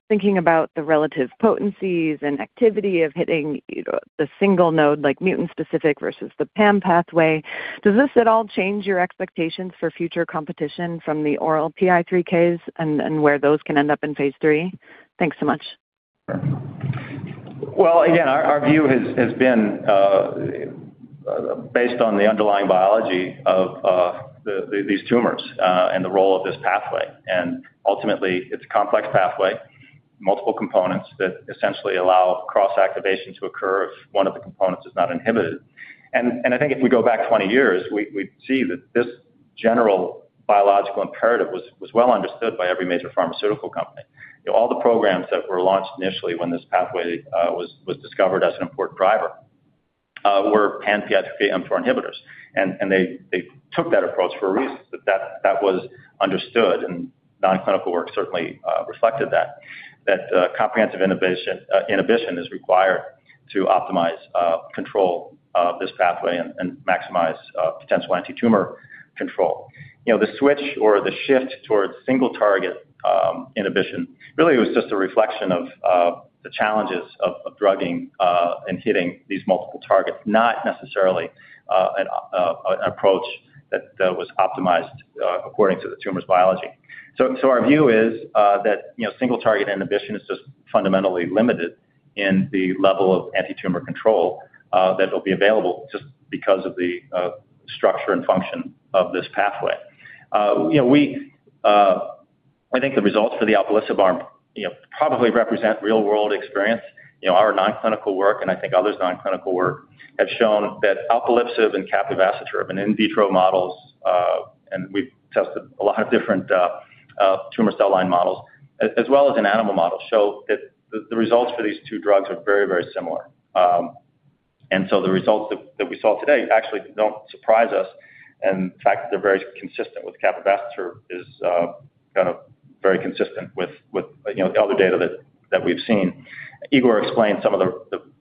thinking about the relative potencies and activity of hitting the single node like mutant specific versus the PAM pathway, does this at all change your expectations for future competition from the oral PI3Ks and where those can end up in phase III? Thanks so much. Sure. Well, again, our view has been based on the underlying biology of these tumors and the role of this pathway, and ultimately, it's a complex pathway, multiple components that essentially allow cross-activation to occur if one of the components is not inhibited. I think if we go back 20 years, we'd see that this general biological imperative was well understood by every major pharmaceutical company. All the programs that were launched initially when this pathway was discovered as an important driver were pan-class I PI3K inhibitors. They took that approach for a reason, that was understood, and non-clinical work certainly reflected that. That comprehensive inhibition is required to optimize control of this pathway and maximize potential anti-tumor control. The switch or the shift towards single target inhibition really was just a reflection of the challenges of drugging and hitting these multiple targets, not necessarily an approach that was optimized according to the tumor's biology. Our view is that single target inhibition is just fundamentally limited in the level of anti-tumor control that will be available just because of the structure and function of this pathway. I think the results for the alpelisib probably represent real-world experience. Our non-clinical work, and I think others' non-clinical work, have shown that alpelisib and capivasertib in vitro models, and we've tested a lot of different tumor cell line models as well as in animal models, show that the results for these two drugs are very similar. The results that we saw today actually don't surprise us. The fact that they're very consistent with capivasertib is very consistent with the other data that we've seen. Igor explained some of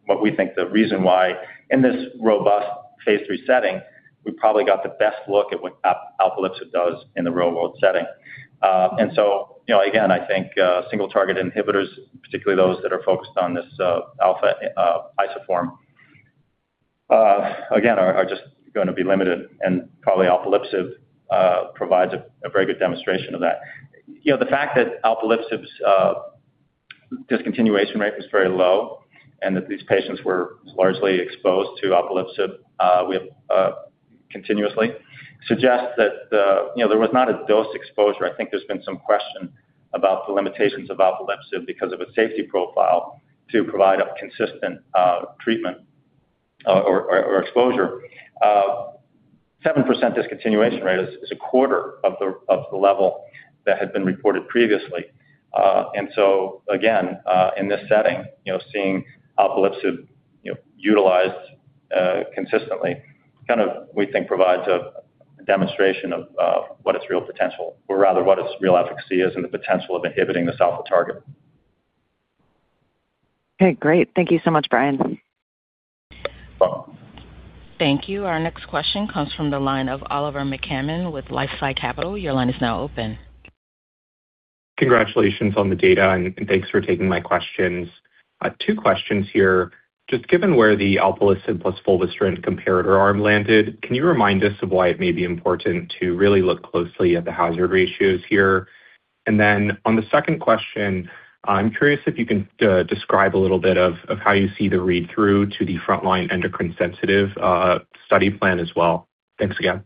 what we think the reason why in this robust phase III setting, we probably got the best look at what alpelisib does in the real-world setting. Again, I think single target inhibitors, particularly those that are focused on this alpha isoform again, are just going to be limited and probably alpelisib provides a very good demonstration of that. The fact that alpelisib's discontinuation rate was very low and that these patients were largely exposed to alpelisib continuously suggests that there was not a dose exposure. I think there's been some question about the limitations of alpelisib because of its safety profile to provide a consistent treatment or exposure. 7% discontinuation rate is a quarter of the level that had been reported previously. Again, in this setting, seeing alpelisib utilized consistently we think provides a demonstration of what its real potential or rather what its real efficacy is and the potential of inhibiting this alpha target. Okay, great. Thank you so much, Brian. You're welcome. Thank you. Our next question comes from the line of Oliver McCammon with LifeSci Capital. Your line is now open. Congratulations on the data, and thanks for taking my questions. Two questions here. Just given where the alpelisib plus fulvestrant comparator arm landed, can you remind us of why it may be important to really look closely at the hazard ratios here? On the second question, I'm curious if you can describe a little bit of how you see the read-through to the frontline endocrine sensitive study plan as well. Thanks again.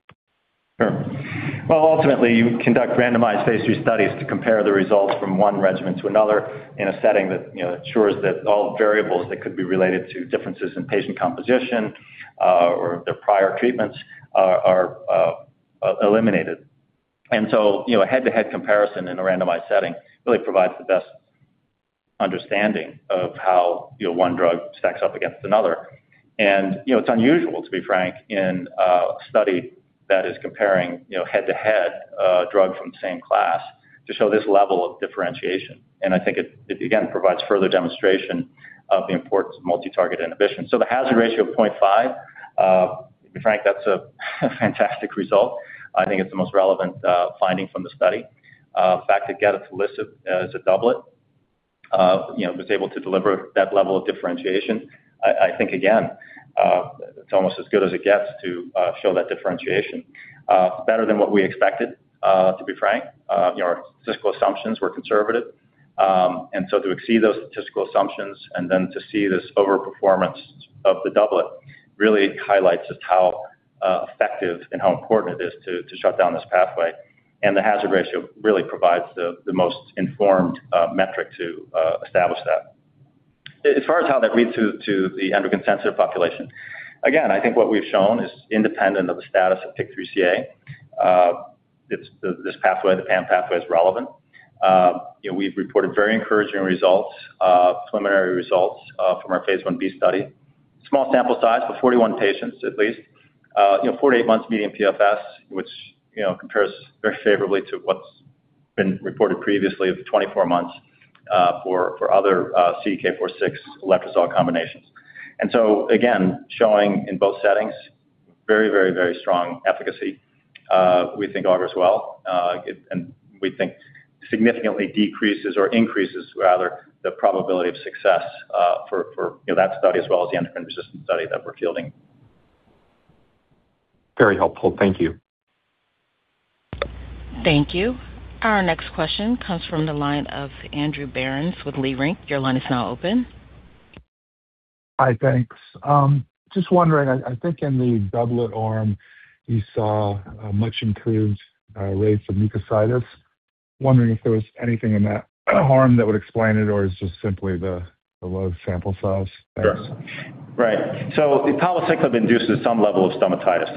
Sure. Ultimately, you conduct randomized phase III studies to compare the results from one regimen to another in a setting that ensures that all variables that could be related to differences in patient composition or their prior treatments are eliminated. A head-to-head comparison in a randomized setting really provides the best understanding of how one drug stacks up against another. It's unusual, to be frank, in a study that is comparing head-to-head a drug from the same class to show this level of differentiation. I think it, again, provides further demonstration of the importance of multi-target inhibition. The hazard ratio of 0.5, to be frank, that's a fantastic result. I think it's the most relevant finding from the study. The fact that gedatolisib as a doublet was able to deliver that level of differentiation. I think it's almost as good as it gets to show that differentiation. Better than what we expected, to be frank. Our statistical assumptions were conservative. To exceed those statistical assumptions to see this over-performance of the doublet really highlights just how effective and how important it is to shut down this pathway. The hazard ratio really provides the most informed metric to establish that. As far as how that reads to the endocrine sensitive population, I think what we've shown is independent of the status of PIK3CA. This pathway, the PAM pathway, is relevant. We've reported very encouraging results, preliminary results from our phase I-B study. Small sample size of 41 patients, at least. 48 months median PFS, which compares very favorably to what's been reported previously of 24 months for other CDK4/6 palbociclib combinations. Again, showing in both settings very strong efficacy we think augurs well and we think significantly decreases or increases rather the probability of success for that study as well as the endocrine resistant study that we're fielding. Very helpful. Thank you. Thank you. Our next question comes from the line of Andrew Burns with Leerink Partners. Your line is now open. Hi, thanks. Just wondering, I think in the doublet arm you saw a much improved rate for mucositis. Wondering if there was anything in that arm that would explain it or it's just simply the low sample size? Sure. Right. The palbociclib induces some level of stomatitis.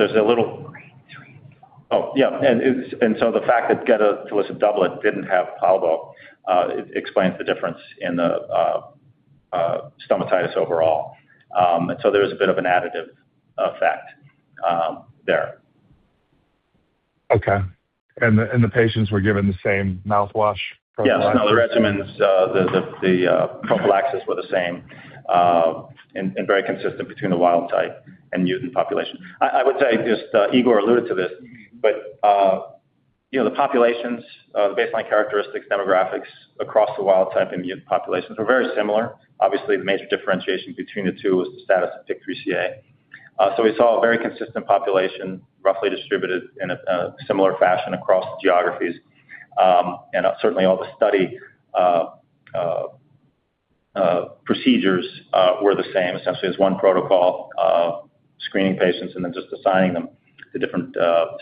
Oh, yeah. The fact that gedatolisib doublet didn't have palbo explains the difference in the stomatitis overall. There was a bit of an additive effect there. Okay. The patients were given the same mouthwash? Yes. No, the regimens, the prophylaxis were the same, very consistent between the wild type and mutant population. I would say, just Igor alluded to this, the populations, the baseline characteristics, demographics across the wild type and mutant populations were very similar. Obviously, the major differentiation between the two was the status of PIK3CA. We saw a very consistent population, roughly distributed in a similar fashion across geographies. Certainly all the study procedures were the same, essentially as one protocol, screening patients and then just assigning them to different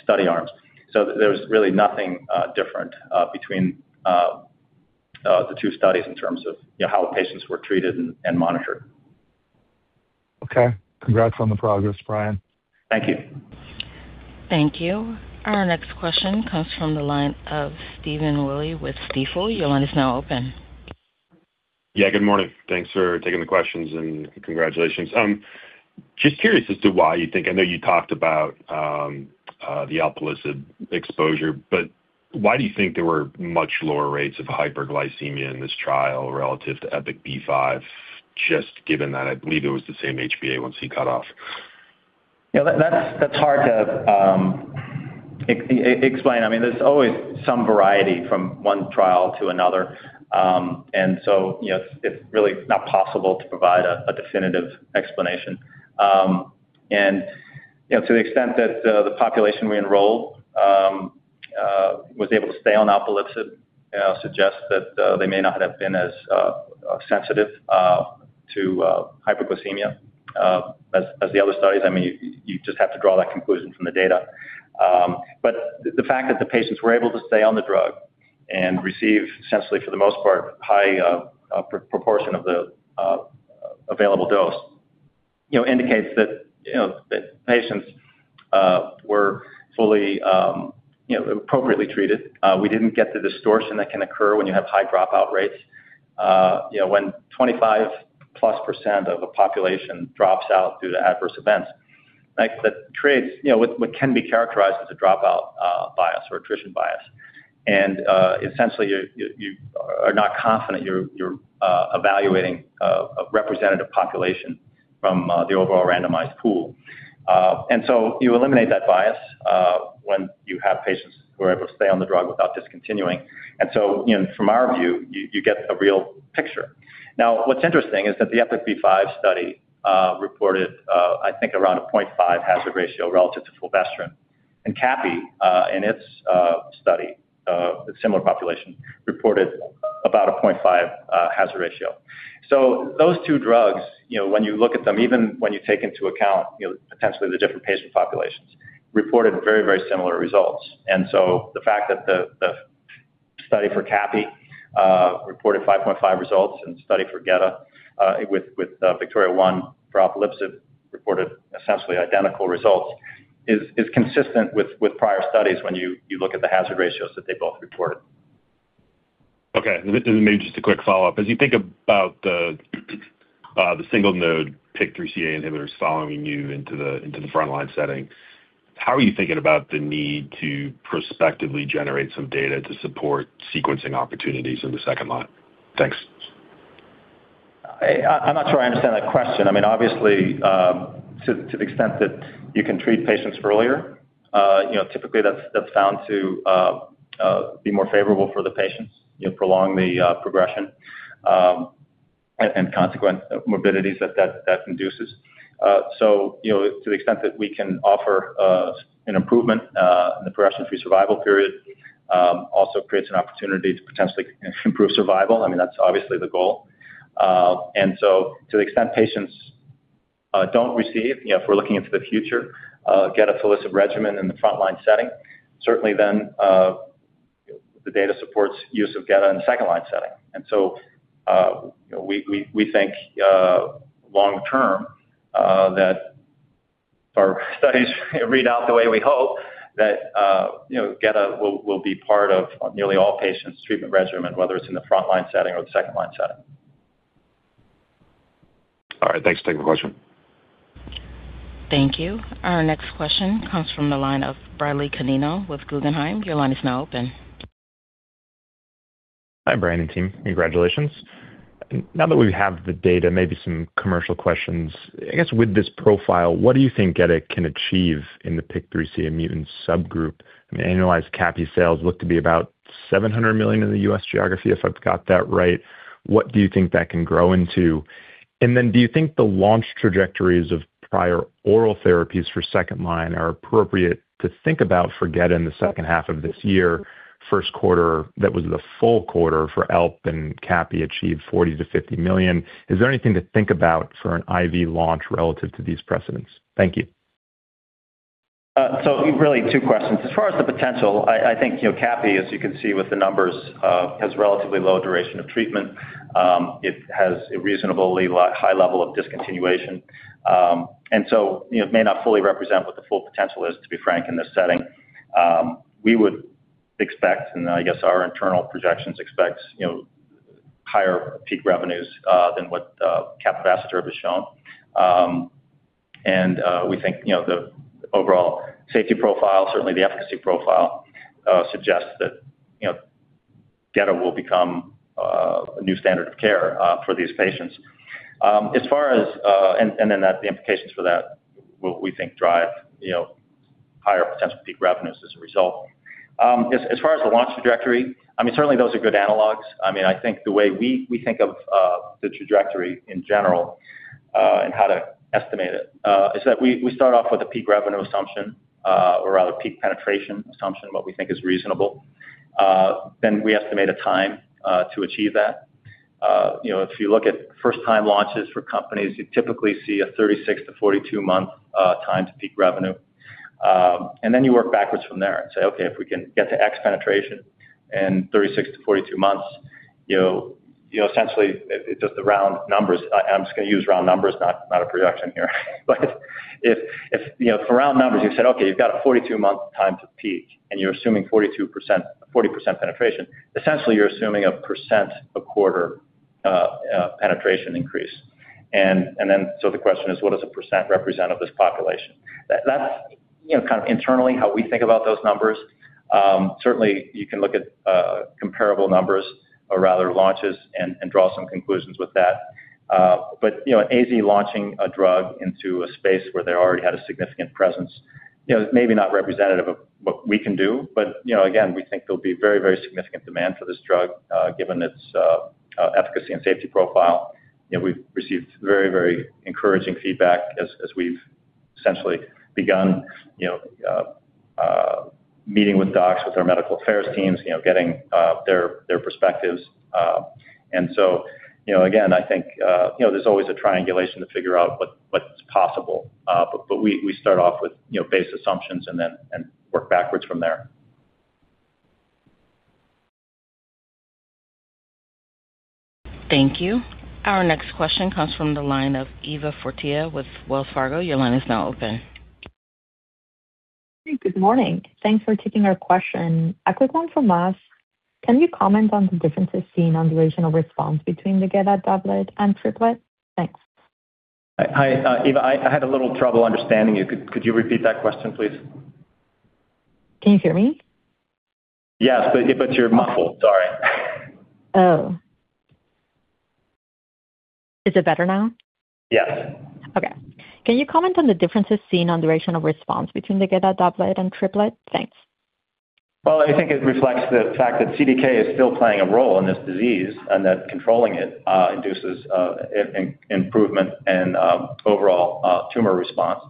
study arms. There was really nothing different between the two studies in terms of how patients were treated and monitored. Okay. Congrats on the progress, Brian. Thank you. Thank you. Our next question comes from the line of Stephen Willey with Stifel. Your line is now open. Good morning. Thanks for taking the questions and congratulations. Curious as to why you think, I know you talked about the alpelisib exposure, but why do you think there were much lower rates of hyperglycemia in this trial relative to EPIK-B5? Given that I believe it was the same HbA1c cutoff. Yeah, that's hard to explain. There's always some variety from one trial to another. It's really not possible to provide a definitive explanation. To the extent that the population we enrolled was able to stay on alpelisib suggests that they may not have been as sensitive to hyperglycemia as the other studies. You just have to draw that conclusion from the data. The fact that the patients were able to stay on the drug and receive, essentially for the most part, high proportion of the available dose indicates that patients were fully appropriately treated. We didn't get the distortion that can occur when you have high dropout rates. When 25%+ of a population drops out due to adverse events, that creates what can be characterized as a dropout bias or attrition bias. Essentially, you are not confident you're evaluating a representative population from the overall randomized pool. You eliminate that bias when you have patients who are able to stay on the drug without discontinuing. From our view, you get a real picture. What's interesting is that the EPIK-B5 study reported I think around a 0.5 hazard ratio relative to fulvestrant. Capivasertib, in its study, a similar population, reported about a 0.5 hazard ratio. Those two drugs, when you look at them, even when you take into account potentially the different patient populations, reported very similar results. The fact that the study for capivasertib reported 5.5 results and the study for gedatolisib with VIKTORIA-1 for alpelisib reported essentially identical results is consistent with prior studies when you look at the hazard ratios that they both report. Okay. Maybe just a quick follow-up. As you think about the single node PIK3CA inhibitors following you into the frontline setting, how are you thinking about the need to prospectively generate some data to support sequencing opportunities in the second line? Thanks. I'm not sure I understand that question. To the extent that you can treat patients earlier, typically that's found to be more favorable for the patients, prolong the progression, and consequent morbidities that induces. To the extent that we can offer an improvement in the progression-free survival period also creates an opportunity to potentially improve survival. That's obviously the goal. To the extent patients don't receive, if we're looking into the future, geta fulv regimen in the frontline setting, certainly then the data supports use of getta in the second-line setting. We think long-term that our studies read out the way we hope that getta will be part of nearly all patients' treatment regimen, whether it's in the frontline setting or the second-line setting. All right. Thanks for taking the question. Thank you. Our next question comes from the line of Bradley Canino with Guggenheim. Your line is now open. Hi, Brian and team. Congratulations. Now that we have the data, maybe some commercial questions. I guess with this profile, what do you think getta can achieve in the PIK3CA mutant subgroup? Annualized capivasertib sales look to be about $700 million in the U.S. geography, if I've got that right. What do you think that can grow into? Do you think the launch trajectories of prior oral therapies for second line are appropriate to think about for geta in the second half of this year, first quarter, that was the full quarter for alp and capi achieved $40 million-$50 million. Is there anything to think about for an IV launch relative to these precedents? Thank you. Really two questions. As far as the potential, I think capivasertib, as you can see with the numbers, has relatively low duration of treatment. It has a reasonably high level of discontinuation. May not fully represent what the full potential is, to be frank, in this setting. We would expect, and I guess our internal projections expect, higher peak revenues than what capivasertib has shown. We think the overall safety profile, certainly the efficacy profile suggests that gedatolisib will become a new standard of care for these patients. The implications for that, we think drive higher potential peak revenues as a result. As far as the launch trajectory, certainly those are good analogs. I think the way we think of the trajectory in general and how to estimate it is that we start off with a peak revenue assumption or rather peak penetration assumption, what we think is reasonable. We estimate a time to achieve that. If you look at first time launches for companies, you typically see a 36-42-month time to peak revenue. You work backwards from there and say, okay, if we can get to X penetration in 36-42 months, essentially just the round numbers. I'm just going to use round numbers, not a projection here. For round numbers, you've said, okay, you've got a 42-month time to peak and you're assuming 40% penetration. Essentially, you're assuming a percent a quarter penetration increase. The question is what does a percent represent of this population? That's internally how we think about those numbers. Certainly you can look at comparable numbers or rather launches and draw some conclusions with that. AstraZeneca launching a drug into a space where they already had a significant presence is maybe not representative of what we can do. Again, we think there'll be very significant demand for this drug given its efficacy and safety profile. We've received very encouraging feedback as we've essentially begun meeting with docs, with our medical affairs teams, getting their perspectives. Again, I think there's always a triangulation to figure out what's possible. We start off with base assumptions and work backwards from there. Thank you. Our next question comes from the line of Eva Fortea with Wells Fargo. Your line is now open. Good morning. Thanks for taking our question. A quick one from us. Can you comment on the differences seen on duration of response between the geta doublet and triplet? Thanks. Hi, Eva, I had a little trouble understanding you. Could you repeat that question, please? Can you hear me? Yes, but you're muffled, sorry. Oh. Is it better now? Yes. Okay. Can you comment on the differences seen on duration of response between the gedatolisib doublet and triplet? Thanks. Well, I think it reflects the fact that CDK is still playing a role in this disease and that controlling it induces improvement in overall tumor response.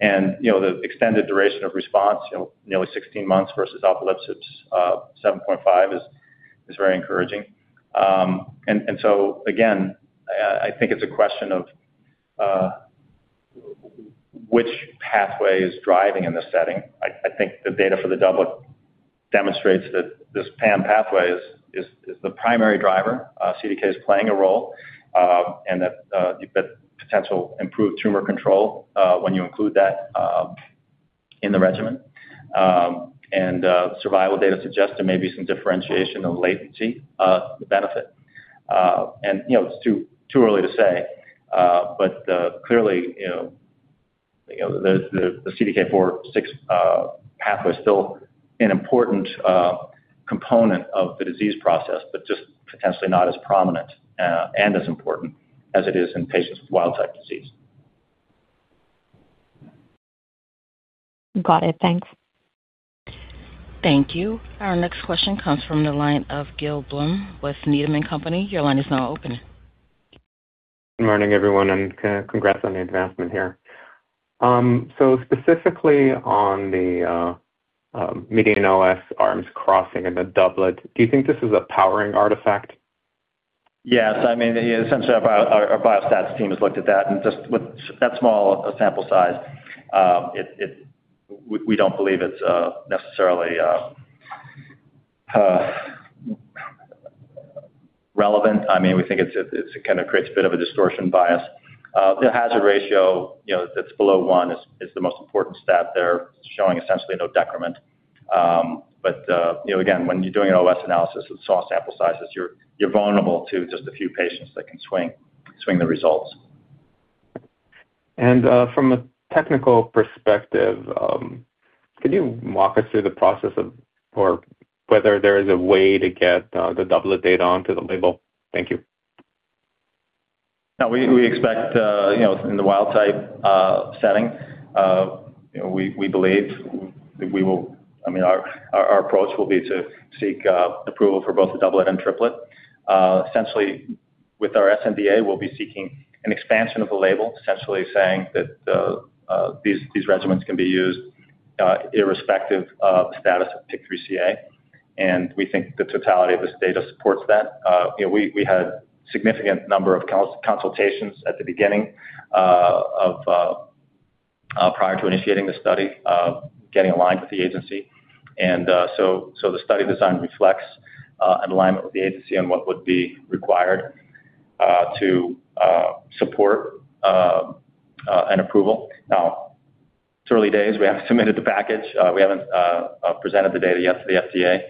The extended duration of response, nearly 16 months versus alpelisib's 7.5 is very encouraging. Again, I think it's a question of which pathway is driving in this setting. I think the data for the doublet demonstrates that this PAM pathway is the primary driver. CDK is playing a role and that potential improved tumor control when you include that in the regimen. Survival data suggests there may be some differentiation of latency to benefit. It's too early to say but clearly, the CDK4/6 pathway is still an important component of the disease process, but just potentially not as prominent and as important as it is in patients with wild-type disease. Got it. Thanks. Thank you. Our next question comes from the line of Gil Blum with Needham & Company. Your line is now open. Good morning everyone, and congrats on the advancement here. Specifically on the median OS arms crossing and the doublet, do you think this is a powering artifact? Yes. Essentially our biostats team has looked at that and just with that small a sample size we don't believe it's necessarily relevant. We think it creates a bit of a distortion bias. The hazard ratio that's below one is the most important stat. They're showing essentially no decrement. Again, when you're doing an OS analysis with small sample sizes, you're vulnerable to just a few patients that can swing the results. From a technical perspective, could you walk us through the process of whether there is a way to get the doublet data onto the label? Thank you. We expect in the wild-type setting we believe Our approach will be to seek approval for both the doublet and triplet. Essentially, with our sNDA, we'll be seeking an expansion of the label, essentially saying that these regimens can be used irrespective of status of PIK3CA, and we think the totality of this data supports that. We had significant number of consultations at the beginning prior to initiating the study, getting aligned with the agency. The study design reflects an alignment with the agency on what would be required to support an approval. Now, it's early days. We haven't submitted the package. We haven't presented the data yet to the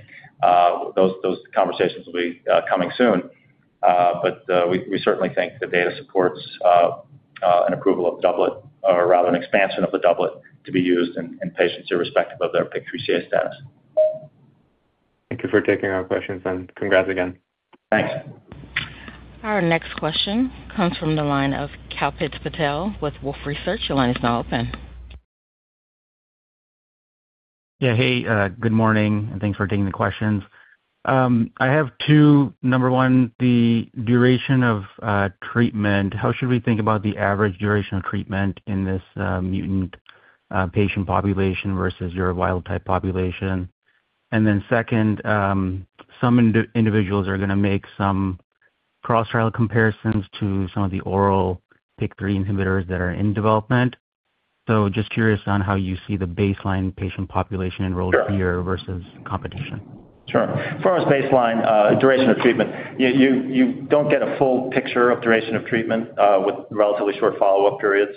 FDA. Those conversations will be coming soon. We certainly think the data supports an approval of the doublet or rather an expansion of the doublet to be used in patients irrespective of their PIK3CA status. Thank you for taking our questions and congrats again. Thanks. Our next question comes from the line of Kalpit Patel with Wolfe Research. Your line is now open. Yeah. Hey, good morning, thanks for taking the questions. I have two. Number one, the duration of treatment. How should we think about the average duration of treatment in this mutant patient population versus your wild-type population? Second, some individuals are going to make some cross-trial comparisons to some of the oral PI3K inhibitors that are in development. Just curious on how you see the baseline patient population enrolled here versus competition. Sure. As far as baseline duration of treatment you don't get a full picture of duration of treatment with relatively short follow-up periods.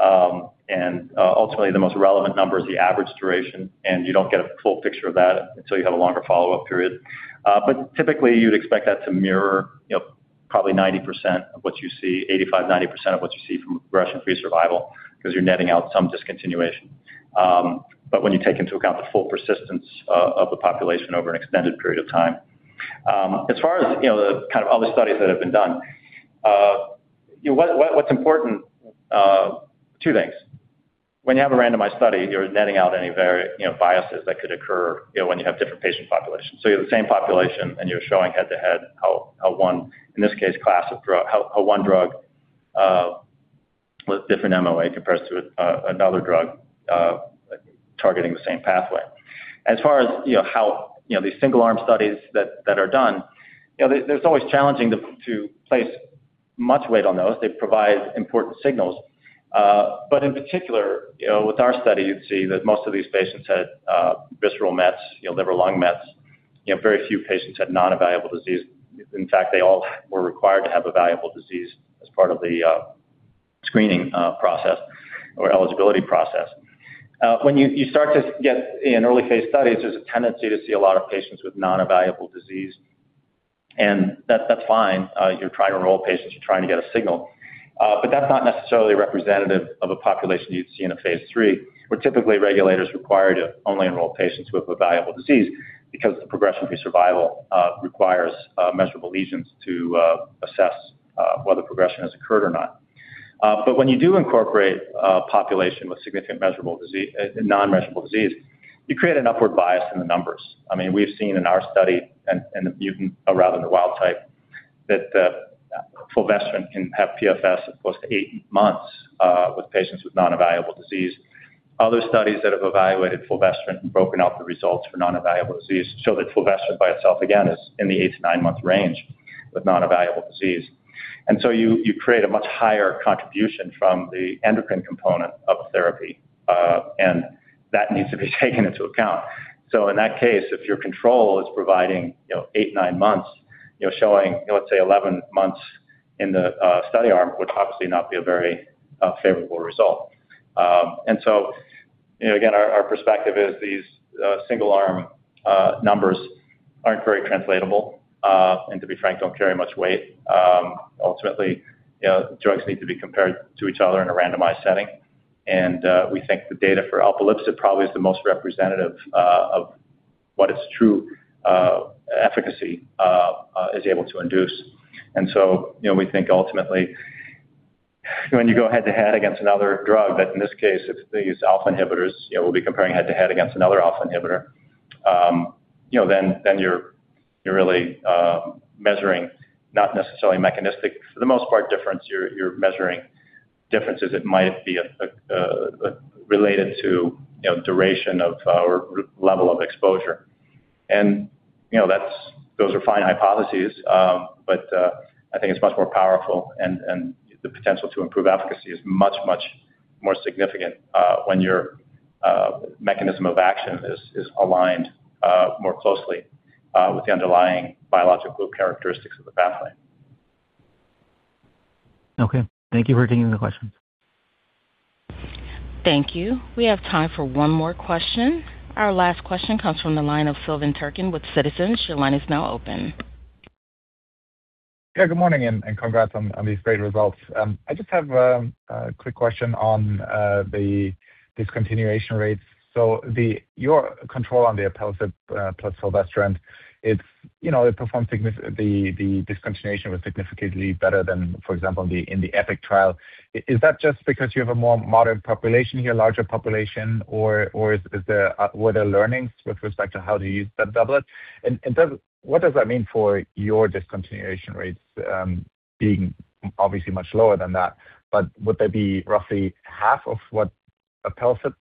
Ultimately, the most relevant number is the average duration, and you don't get a full picture of that until you have a longer follow-up period. Typically, you'd expect that to mirror probably 85%-90% of what you see from progression-free survival because you're netting out some discontinuation, but when you take into account the full persistence of the population over an extended period of time. As far as all the studies that have been done, what's important, two things. When you have a randomized study, you're netting out any biases that could occur when you have different patient populations. You have the same population, and you're showing head-to-head how one, in this case, class of drug, how one drug with different MOA compares to another drug targeting the same pathway. As far as these single arm studies that are done, it's always challenging to place much weight on those. They provide important signals. In particular, with our study, you'd see that most of these patients had visceral mets, liver-lung mets. Very few patients had non-evaluable disease. In fact, they all were required to have evaluable disease as part of the screening process or eligibility process. When you start to get in early phase studies, there's a tendency to see a lot of patients with non-evaluable disease, and that's fine. You're trying to enroll patients, you're trying to get a signal. That's not necessarily representative of a population you'd see in a phase III, where typically regulators require to only enroll patients who have evaluable disease because the progression-free survival requires measurable lesions to assess whether progression has occurred or not. When you do incorporate a population with significant non-measurable disease, you create an upward bias in the numbers. We've seen in our study in the mutant rather than the wild type that fulvestrant can have PFS of close to eight months with patients with non-evaluable disease. Other studies that have evaluated fulvestrant and broken out the results for non-evaluable disease show that fulvestrant by itself again is in the eight to nine-month range with non-evaluable disease. You create a much higher contribution from the endocrine component of a therapy, and that needs to be taken into account. In that case, if your control is providing eight, nine months, showing let's say 11 months in the study arm would obviously not be a very favorable result. Again, our perspective is these single-arm numbers aren't very translatable, and to be frank, don't carry much weight. Ultimately, drugs need to be compared to each other in a randomized setting. We think the data for alpelisib probably is the most representative of what its true efficacy is able to induce. We think ultimately when you go head-to-head against another drug, in this case, it's these alpha inhibitors, we'll be comparing head-to-head against another alpha inhibitor. You're really measuring not necessarily mechanistic, for the most part difference, you're measuring differences that might be related to duration of our level of exposure. Those are fine hypotheses, but I think it's much more powerful and the potential to improve efficacy is much, much more significant when your mechanism of action is aligned more closely with the underlying biological characteristics of the pathway. Okay. Thank you for taking the questions. Thank you. We have time for one more question. Our last question comes from the line of Sylvain Turcan with Citizens. Your line is now open. Yeah, good morning, and congrats on these great results. I just have a quick question on the discontinuation rates. Your control on the alpelisib plus fulvestrant, the discontinuation was significantly better than, for example, in the EPIK trial. Is that just because you have a more modern population here, larger population, or were there learnings with respect to how to use that doublet? What does that mean for your discontinuation rates being obviously much lower than that, but would they be roughly half of what alpelisib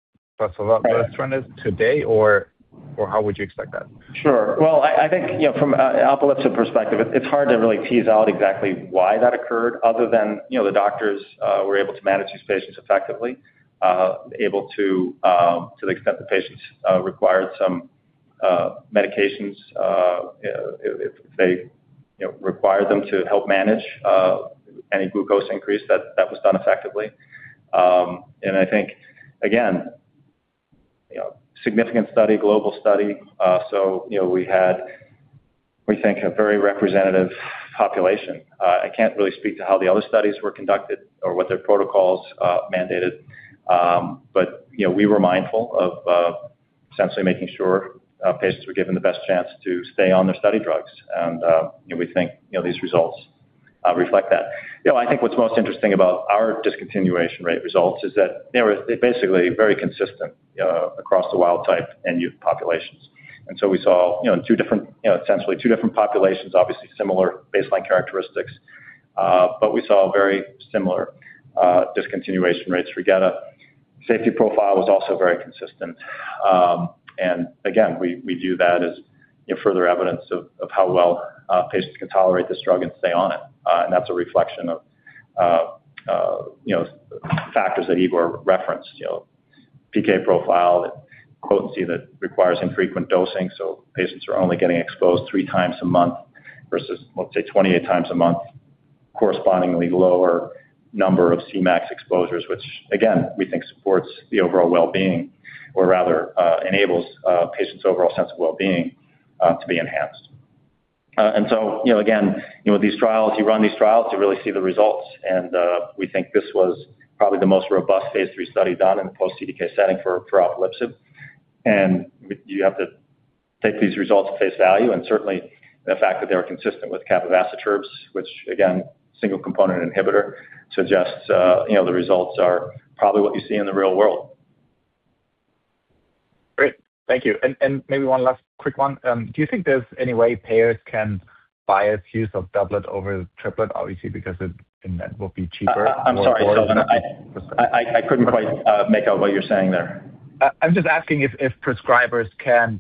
plus fulvestrant is today, or how would you expect that? Sure. Well, I think, from alpelisib perspective, it's hard to really tease out exactly why that occurred other than the doctors were able to manage these patients effectively, to the extent the patients required some medications if they required them to help manage any glucose increase that was done effectively. I think, again, significant study, global study. We had, we think, a very representative population. I can't really speak to how the other studies were conducted or what their protocols mandated. We were mindful of essentially making sure patients were given the best chance to stay on their study drugs. We think these results reflect that. I think what's most interesting about our discontinuation rate results is that they're basically very consistent across the wild type and mutant populations. We saw essentially two different populations, obviously similar baseline characteristics. We saw very similar discontinuation rates for gedatolisib. Safety profile was also very consistent. Again, we view that as further evidence of how well patients can tolerate this drug and stay on it. That's a reflection of factors that Igor referenced. PK profile, that potency that requires infrequent dosing, so patients are only getting exposed three times a month versus, let's say, 28x a month, correspondingly lower number of Cmax exposures, which again, we think supports the overall well-being or rather, enables a patient's overall sense of well-being to be enhanced. Again, with these trials, you run these trials to really see the results, and we think this was probably the most robust phase III study done in the post-CDK setting for alpelisib. You have to take these results at face value, and certainly the fact that they were consistent with capivasertib's, which again, single component inhibitor suggests the results are probably what you see in the real world. Great. Thank you. Maybe one last quick one, do you think there's any way payers can bias use of doublet over triplet, obviously because it will be cheaper? I'm sorry, Sylvain. I couldn't quite make out what you're saying there. I'm just asking if prescribers can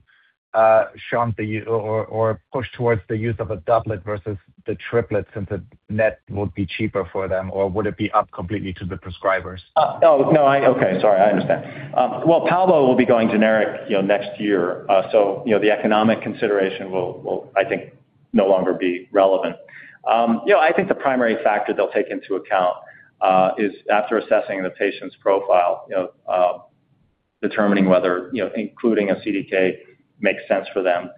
shunt or push towards the use of a doublet versus the triplet since the net would be cheaper for them, or would it be up completely to the prescribers? Oh, no. Okay. Sorry, I understand. Palbo will be going generic next year. The economic consideration will, I think, no longer be relevant. I think the primary factor they'll take into account is after assessing the patient's profile, determining whether including a CDK makes sense for them.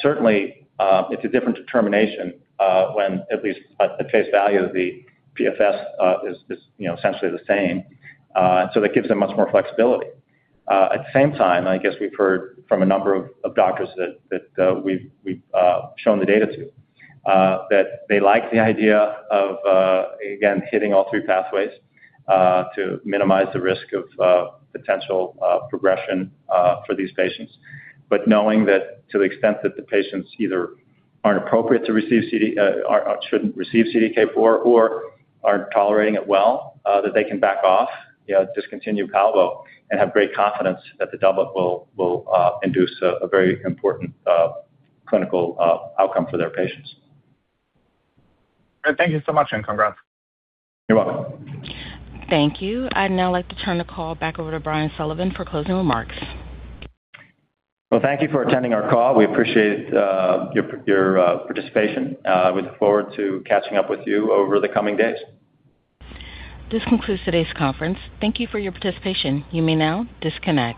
Certainly, it's a different determination when at least at face value, the PFS is essentially the same. That gives them much more flexibility. At the same time, I guess we've heard from a number of doctors that we've shown the data to that they like the idea of, again, hitting all three pathways to minimize the risk of potential progression for these patients. Knowing that to the extent that the patients either aren't appropriate to receive, shouldn't receive CDK4 or aren't tolerating it well that they can back off, discontinue palbo and have great confidence that the doublet will induce a very important clinical outcome for their patients. Great. Thank you so much, and congrats. You're welcome. Thank you. I'd now like to turn the call back over to Brian Sullivan for closing remarks. Well, thank you for attending our call. We appreciate your participation. We look forward to catching up with you over the coming days. This concludes today's conference. Thank you for your participation. You may now disconnect.